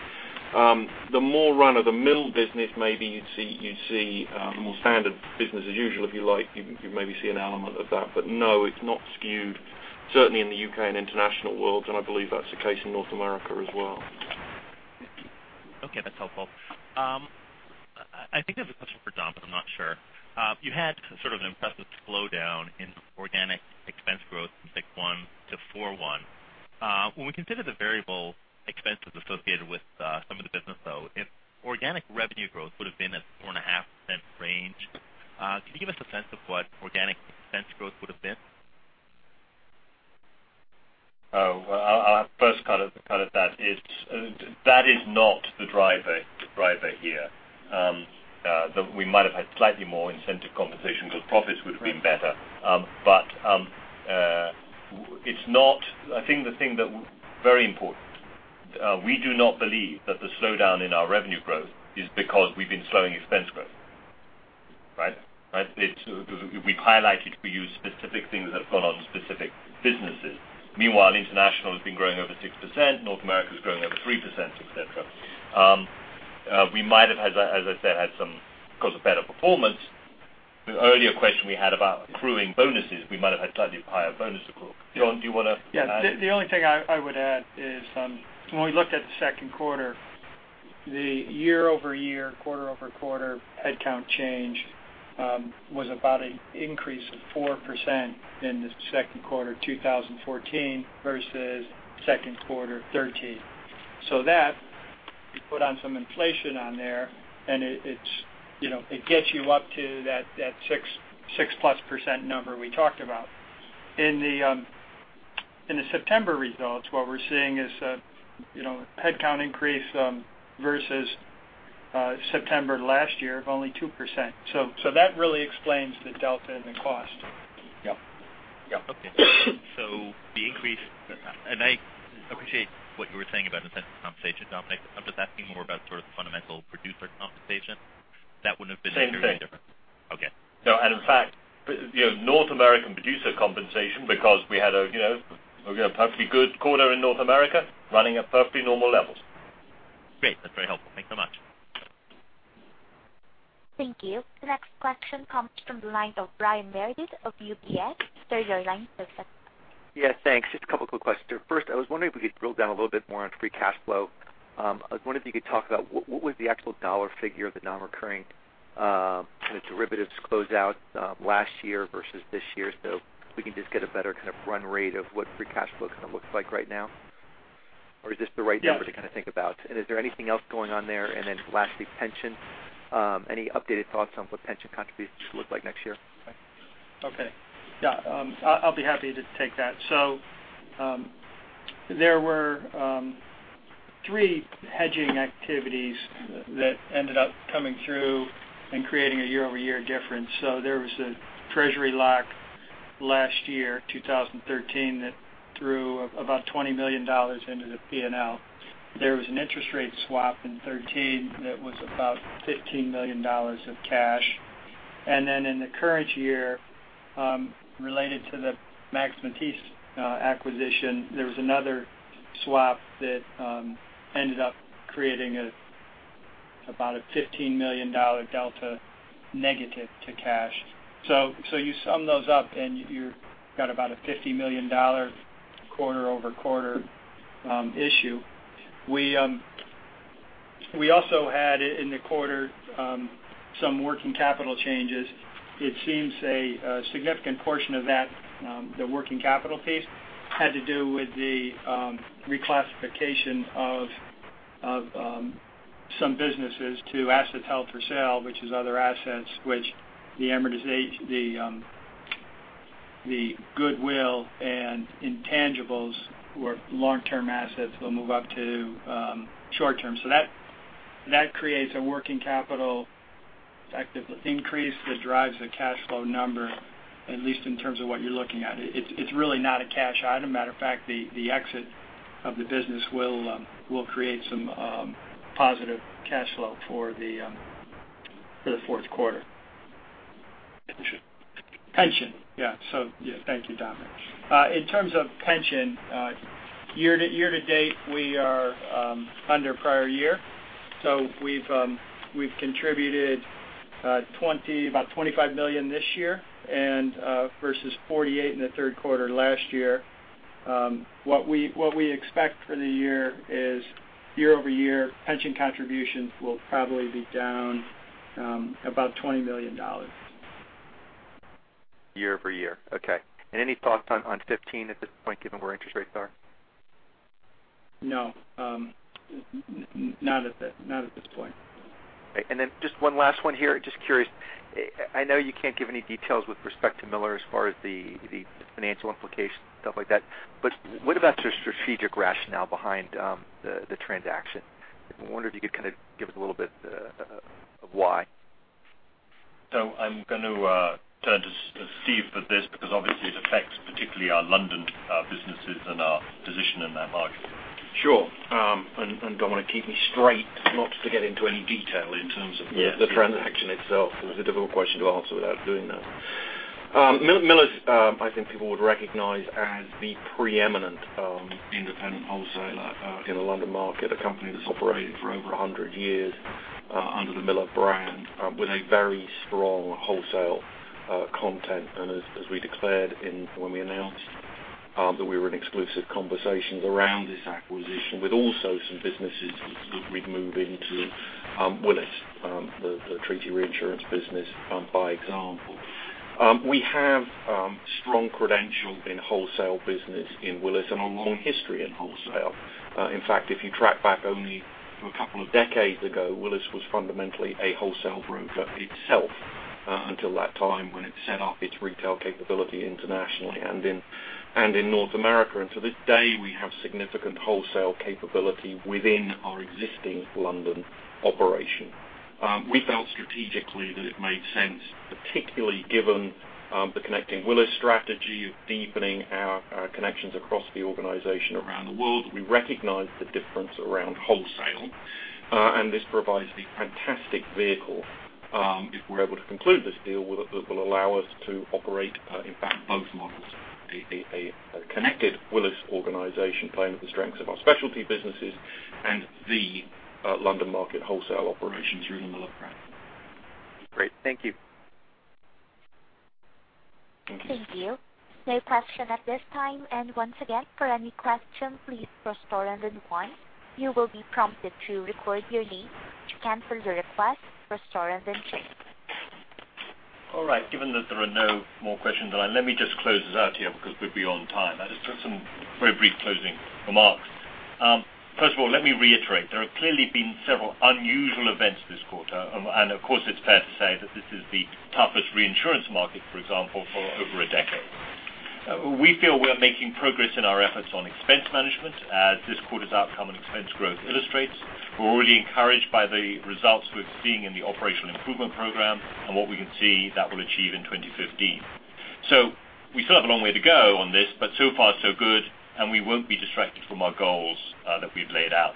The more run-of-the-mill business, maybe you'd see more standard business as usual, if you like, you maybe see an element of that. No, it's not skewed, certainly in the U.K. and international world, and I believe that's the case in North America as well. Okay, that's helpful. I think I have a question for Dom, but I'm not sure. You had sort of an impressive slowdown in organic expense growth from Q1 to Q4. When we consider the variable expenses associated with some of the business, though, if organic revenue growth would have been at 4.5% range, can you give us a sense of what organic expense growth would have been? Our first cut at that is, that is not the driver here. We might have had slightly more incentive compensation because profits would have been better. I think the thing that is very important, we do not believe that the slowdown in our revenue growth is because we've been slowing expense growth. Right? We've highlighted for you specific things that have gone on in specific businesses. Meanwhile, International has been growing over 6%, North America is growing over 3%, et cetera. We might have, as I said, had some better performance. The earlier question we had about accruing bonuses, we might have had slightly higher bonus accrual. John, do you want to add? Yeah. The only thing I would add is, when we looked at the second quarter, the year-over-year, quarter-over-quarter headcount change was about an increase of 4% in the second quarter 2014 versus second quarter 2013. That, you put on some inflation on there, and it gets you up to that 6%+ percent number we talked about. In the September results, what we're seeing is headcount increase versus September last year of only 2%. That really explains the delta in the cost. Yep. Yep. The increase, I appreciate what you were saying about incentive compensation, Dominic. I'm just asking more about the fundamental producer compensation. That wouldn't have been. Same thing. Okay. No. In fact, North American producer compensation, because we had a perfectly good quarter in Willis North America, running at perfectly normal levels. Great. That's very helpful. Thanks so much. Thank you. The next question comes from the line of Brian Meredith of UBS. Sir, your line is open. Yeah, thanks. Just a couple quick questions there. First, I was wondering if we could drill down a little bit more on free cash flow. I was wondering if you could talk about what was the actual dollar figure of the non-recurring derivatives closeout last year versus this year, so we can just get a better kind of run rate of what free cash flow kind of looks like right now? Or is this the right number to kind of think about? Is there anything else going on there? Lastly, pension. Any updated thoughts on what pension contributions look like next year? Okay. Yeah. I will be happy to take that. There were three hedging activities that ended up coming through and creating a year-over-year difference. There was a treasury lock last year, 2013, that threw about $20 million into the P&L. There was an interest rate swap in 2013 that was about $15 million of cash. Then in the current year, related to the Max Matthiessen acquisition, there was another swap that ended up creating about a $15 million delta negative to cash. You sum those up, and you have got about a $50 million quarter-over-quarter issue. We also had, in the quarter, some working capital changes. It seems a significant portion of that, the working capital piece, had to do with the reclassification of some businesses to assets held for sale, which is other assets, which the goodwill and intangibles or long-term assets will move up to short-term. That creates a working capital increase that drives the cash flow number, at least in terms of what you are looking at. It is really not a cash item. Matter of fact, the exit of the business will create some positive cash flow for the fourth quarter. Pension. Pension. Thank you, Dominic. In terms of pension, year-to-date, we are under prior year. We've contributed about $25 million this year versus $48 million in the third quarter last year. What we expect for the year is, year-over-year, pension contributions will probably be down about $20 million. Year-over-year. Okay. Any thoughts on 2015 at this point, given where interest rates are? No. Not at this point. Okay. Just one last one here, just curious. I know you can't give any details with respect to Miller as far as the financial implications and stuff like that, what about your strategic rationale behind the transaction? I wonder if you could kind of give us a little bit of why? I'm going to turn to Steve for this because obviously it affects particularly our London businesses and our position in that market. Sure. Do I want to keep me straight not to get into any detail in terms of the transaction itself. It was a difficult question to answer without doing that. Miller's, I think people would recognize as the preeminent independent wholesaler in the London market, a company that's operated for over 100 years under the Miller brand with a very strong wholesale content. As we declared when we announced that we were in exclusive conversations around this acquisition with also some businesses that we'd move into Willis, the treaty reinsurance business, by example. We have strong credential in wholesale business in Willis and a long history in wholesale. In fact, if you track back only to a couple of decades ago, Willis was fundamentally a wholesale broker itself until that time when it set up its retail capability internationally and in North America. To this day, we have significant wholesale capability within our existing London operation. We felt strategically that it made sense, particularly given the Connecting Willis strategy of deepening our connections across the organization around the world. We recognize the difference around wholesale, and this provides the fantastic vehicle, if we're able to conclude this deal, will allow us to operate, in fact, both models. A connected Willis organization playing with the strengths of our specialty businesses and the London market wholesale operations through the Miller brand. Great. Thank you. Thank you. Thank you. No question at this time. Once again, for any questions, please press star and then one. You will be prompted to record your name. To cancel the request, press star and then two. All right. Given that there are no more questions online, let me just close this out here because we're beyond time. I just have some very brief closing remarks. First of all, let me reiterate, there have clearly been several unusual events this quarter. Of course, it's fair to say that this is the toughest reinsurance market, for example, for over a decade. We feel we're making progress in our efforts on expense management as this quarter's outcome and expense growth illustrates. We're really encouraged by the results we're seeing in the Operational Improvement Program and what we can see that will achieve in 2015. We still have a long way to go on this, but so far so good, and we won't be distracted from our goals that we've laid out.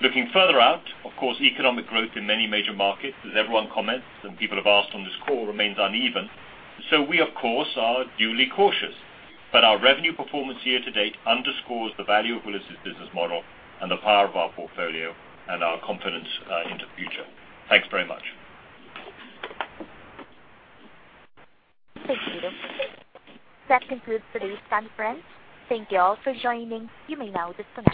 Looking further out, of course, economic growth in many major markets, as everyone comments and people have asked on this call, remains uneven. We, of course, are duly cautious. Our revenue performance year-to-date underscores the value of Willis' business model and the power of our portfolio and our confidence into the future. Thanks very much. Thank you. That concludes today's conference. Thank you all for joining. You may now disconnect.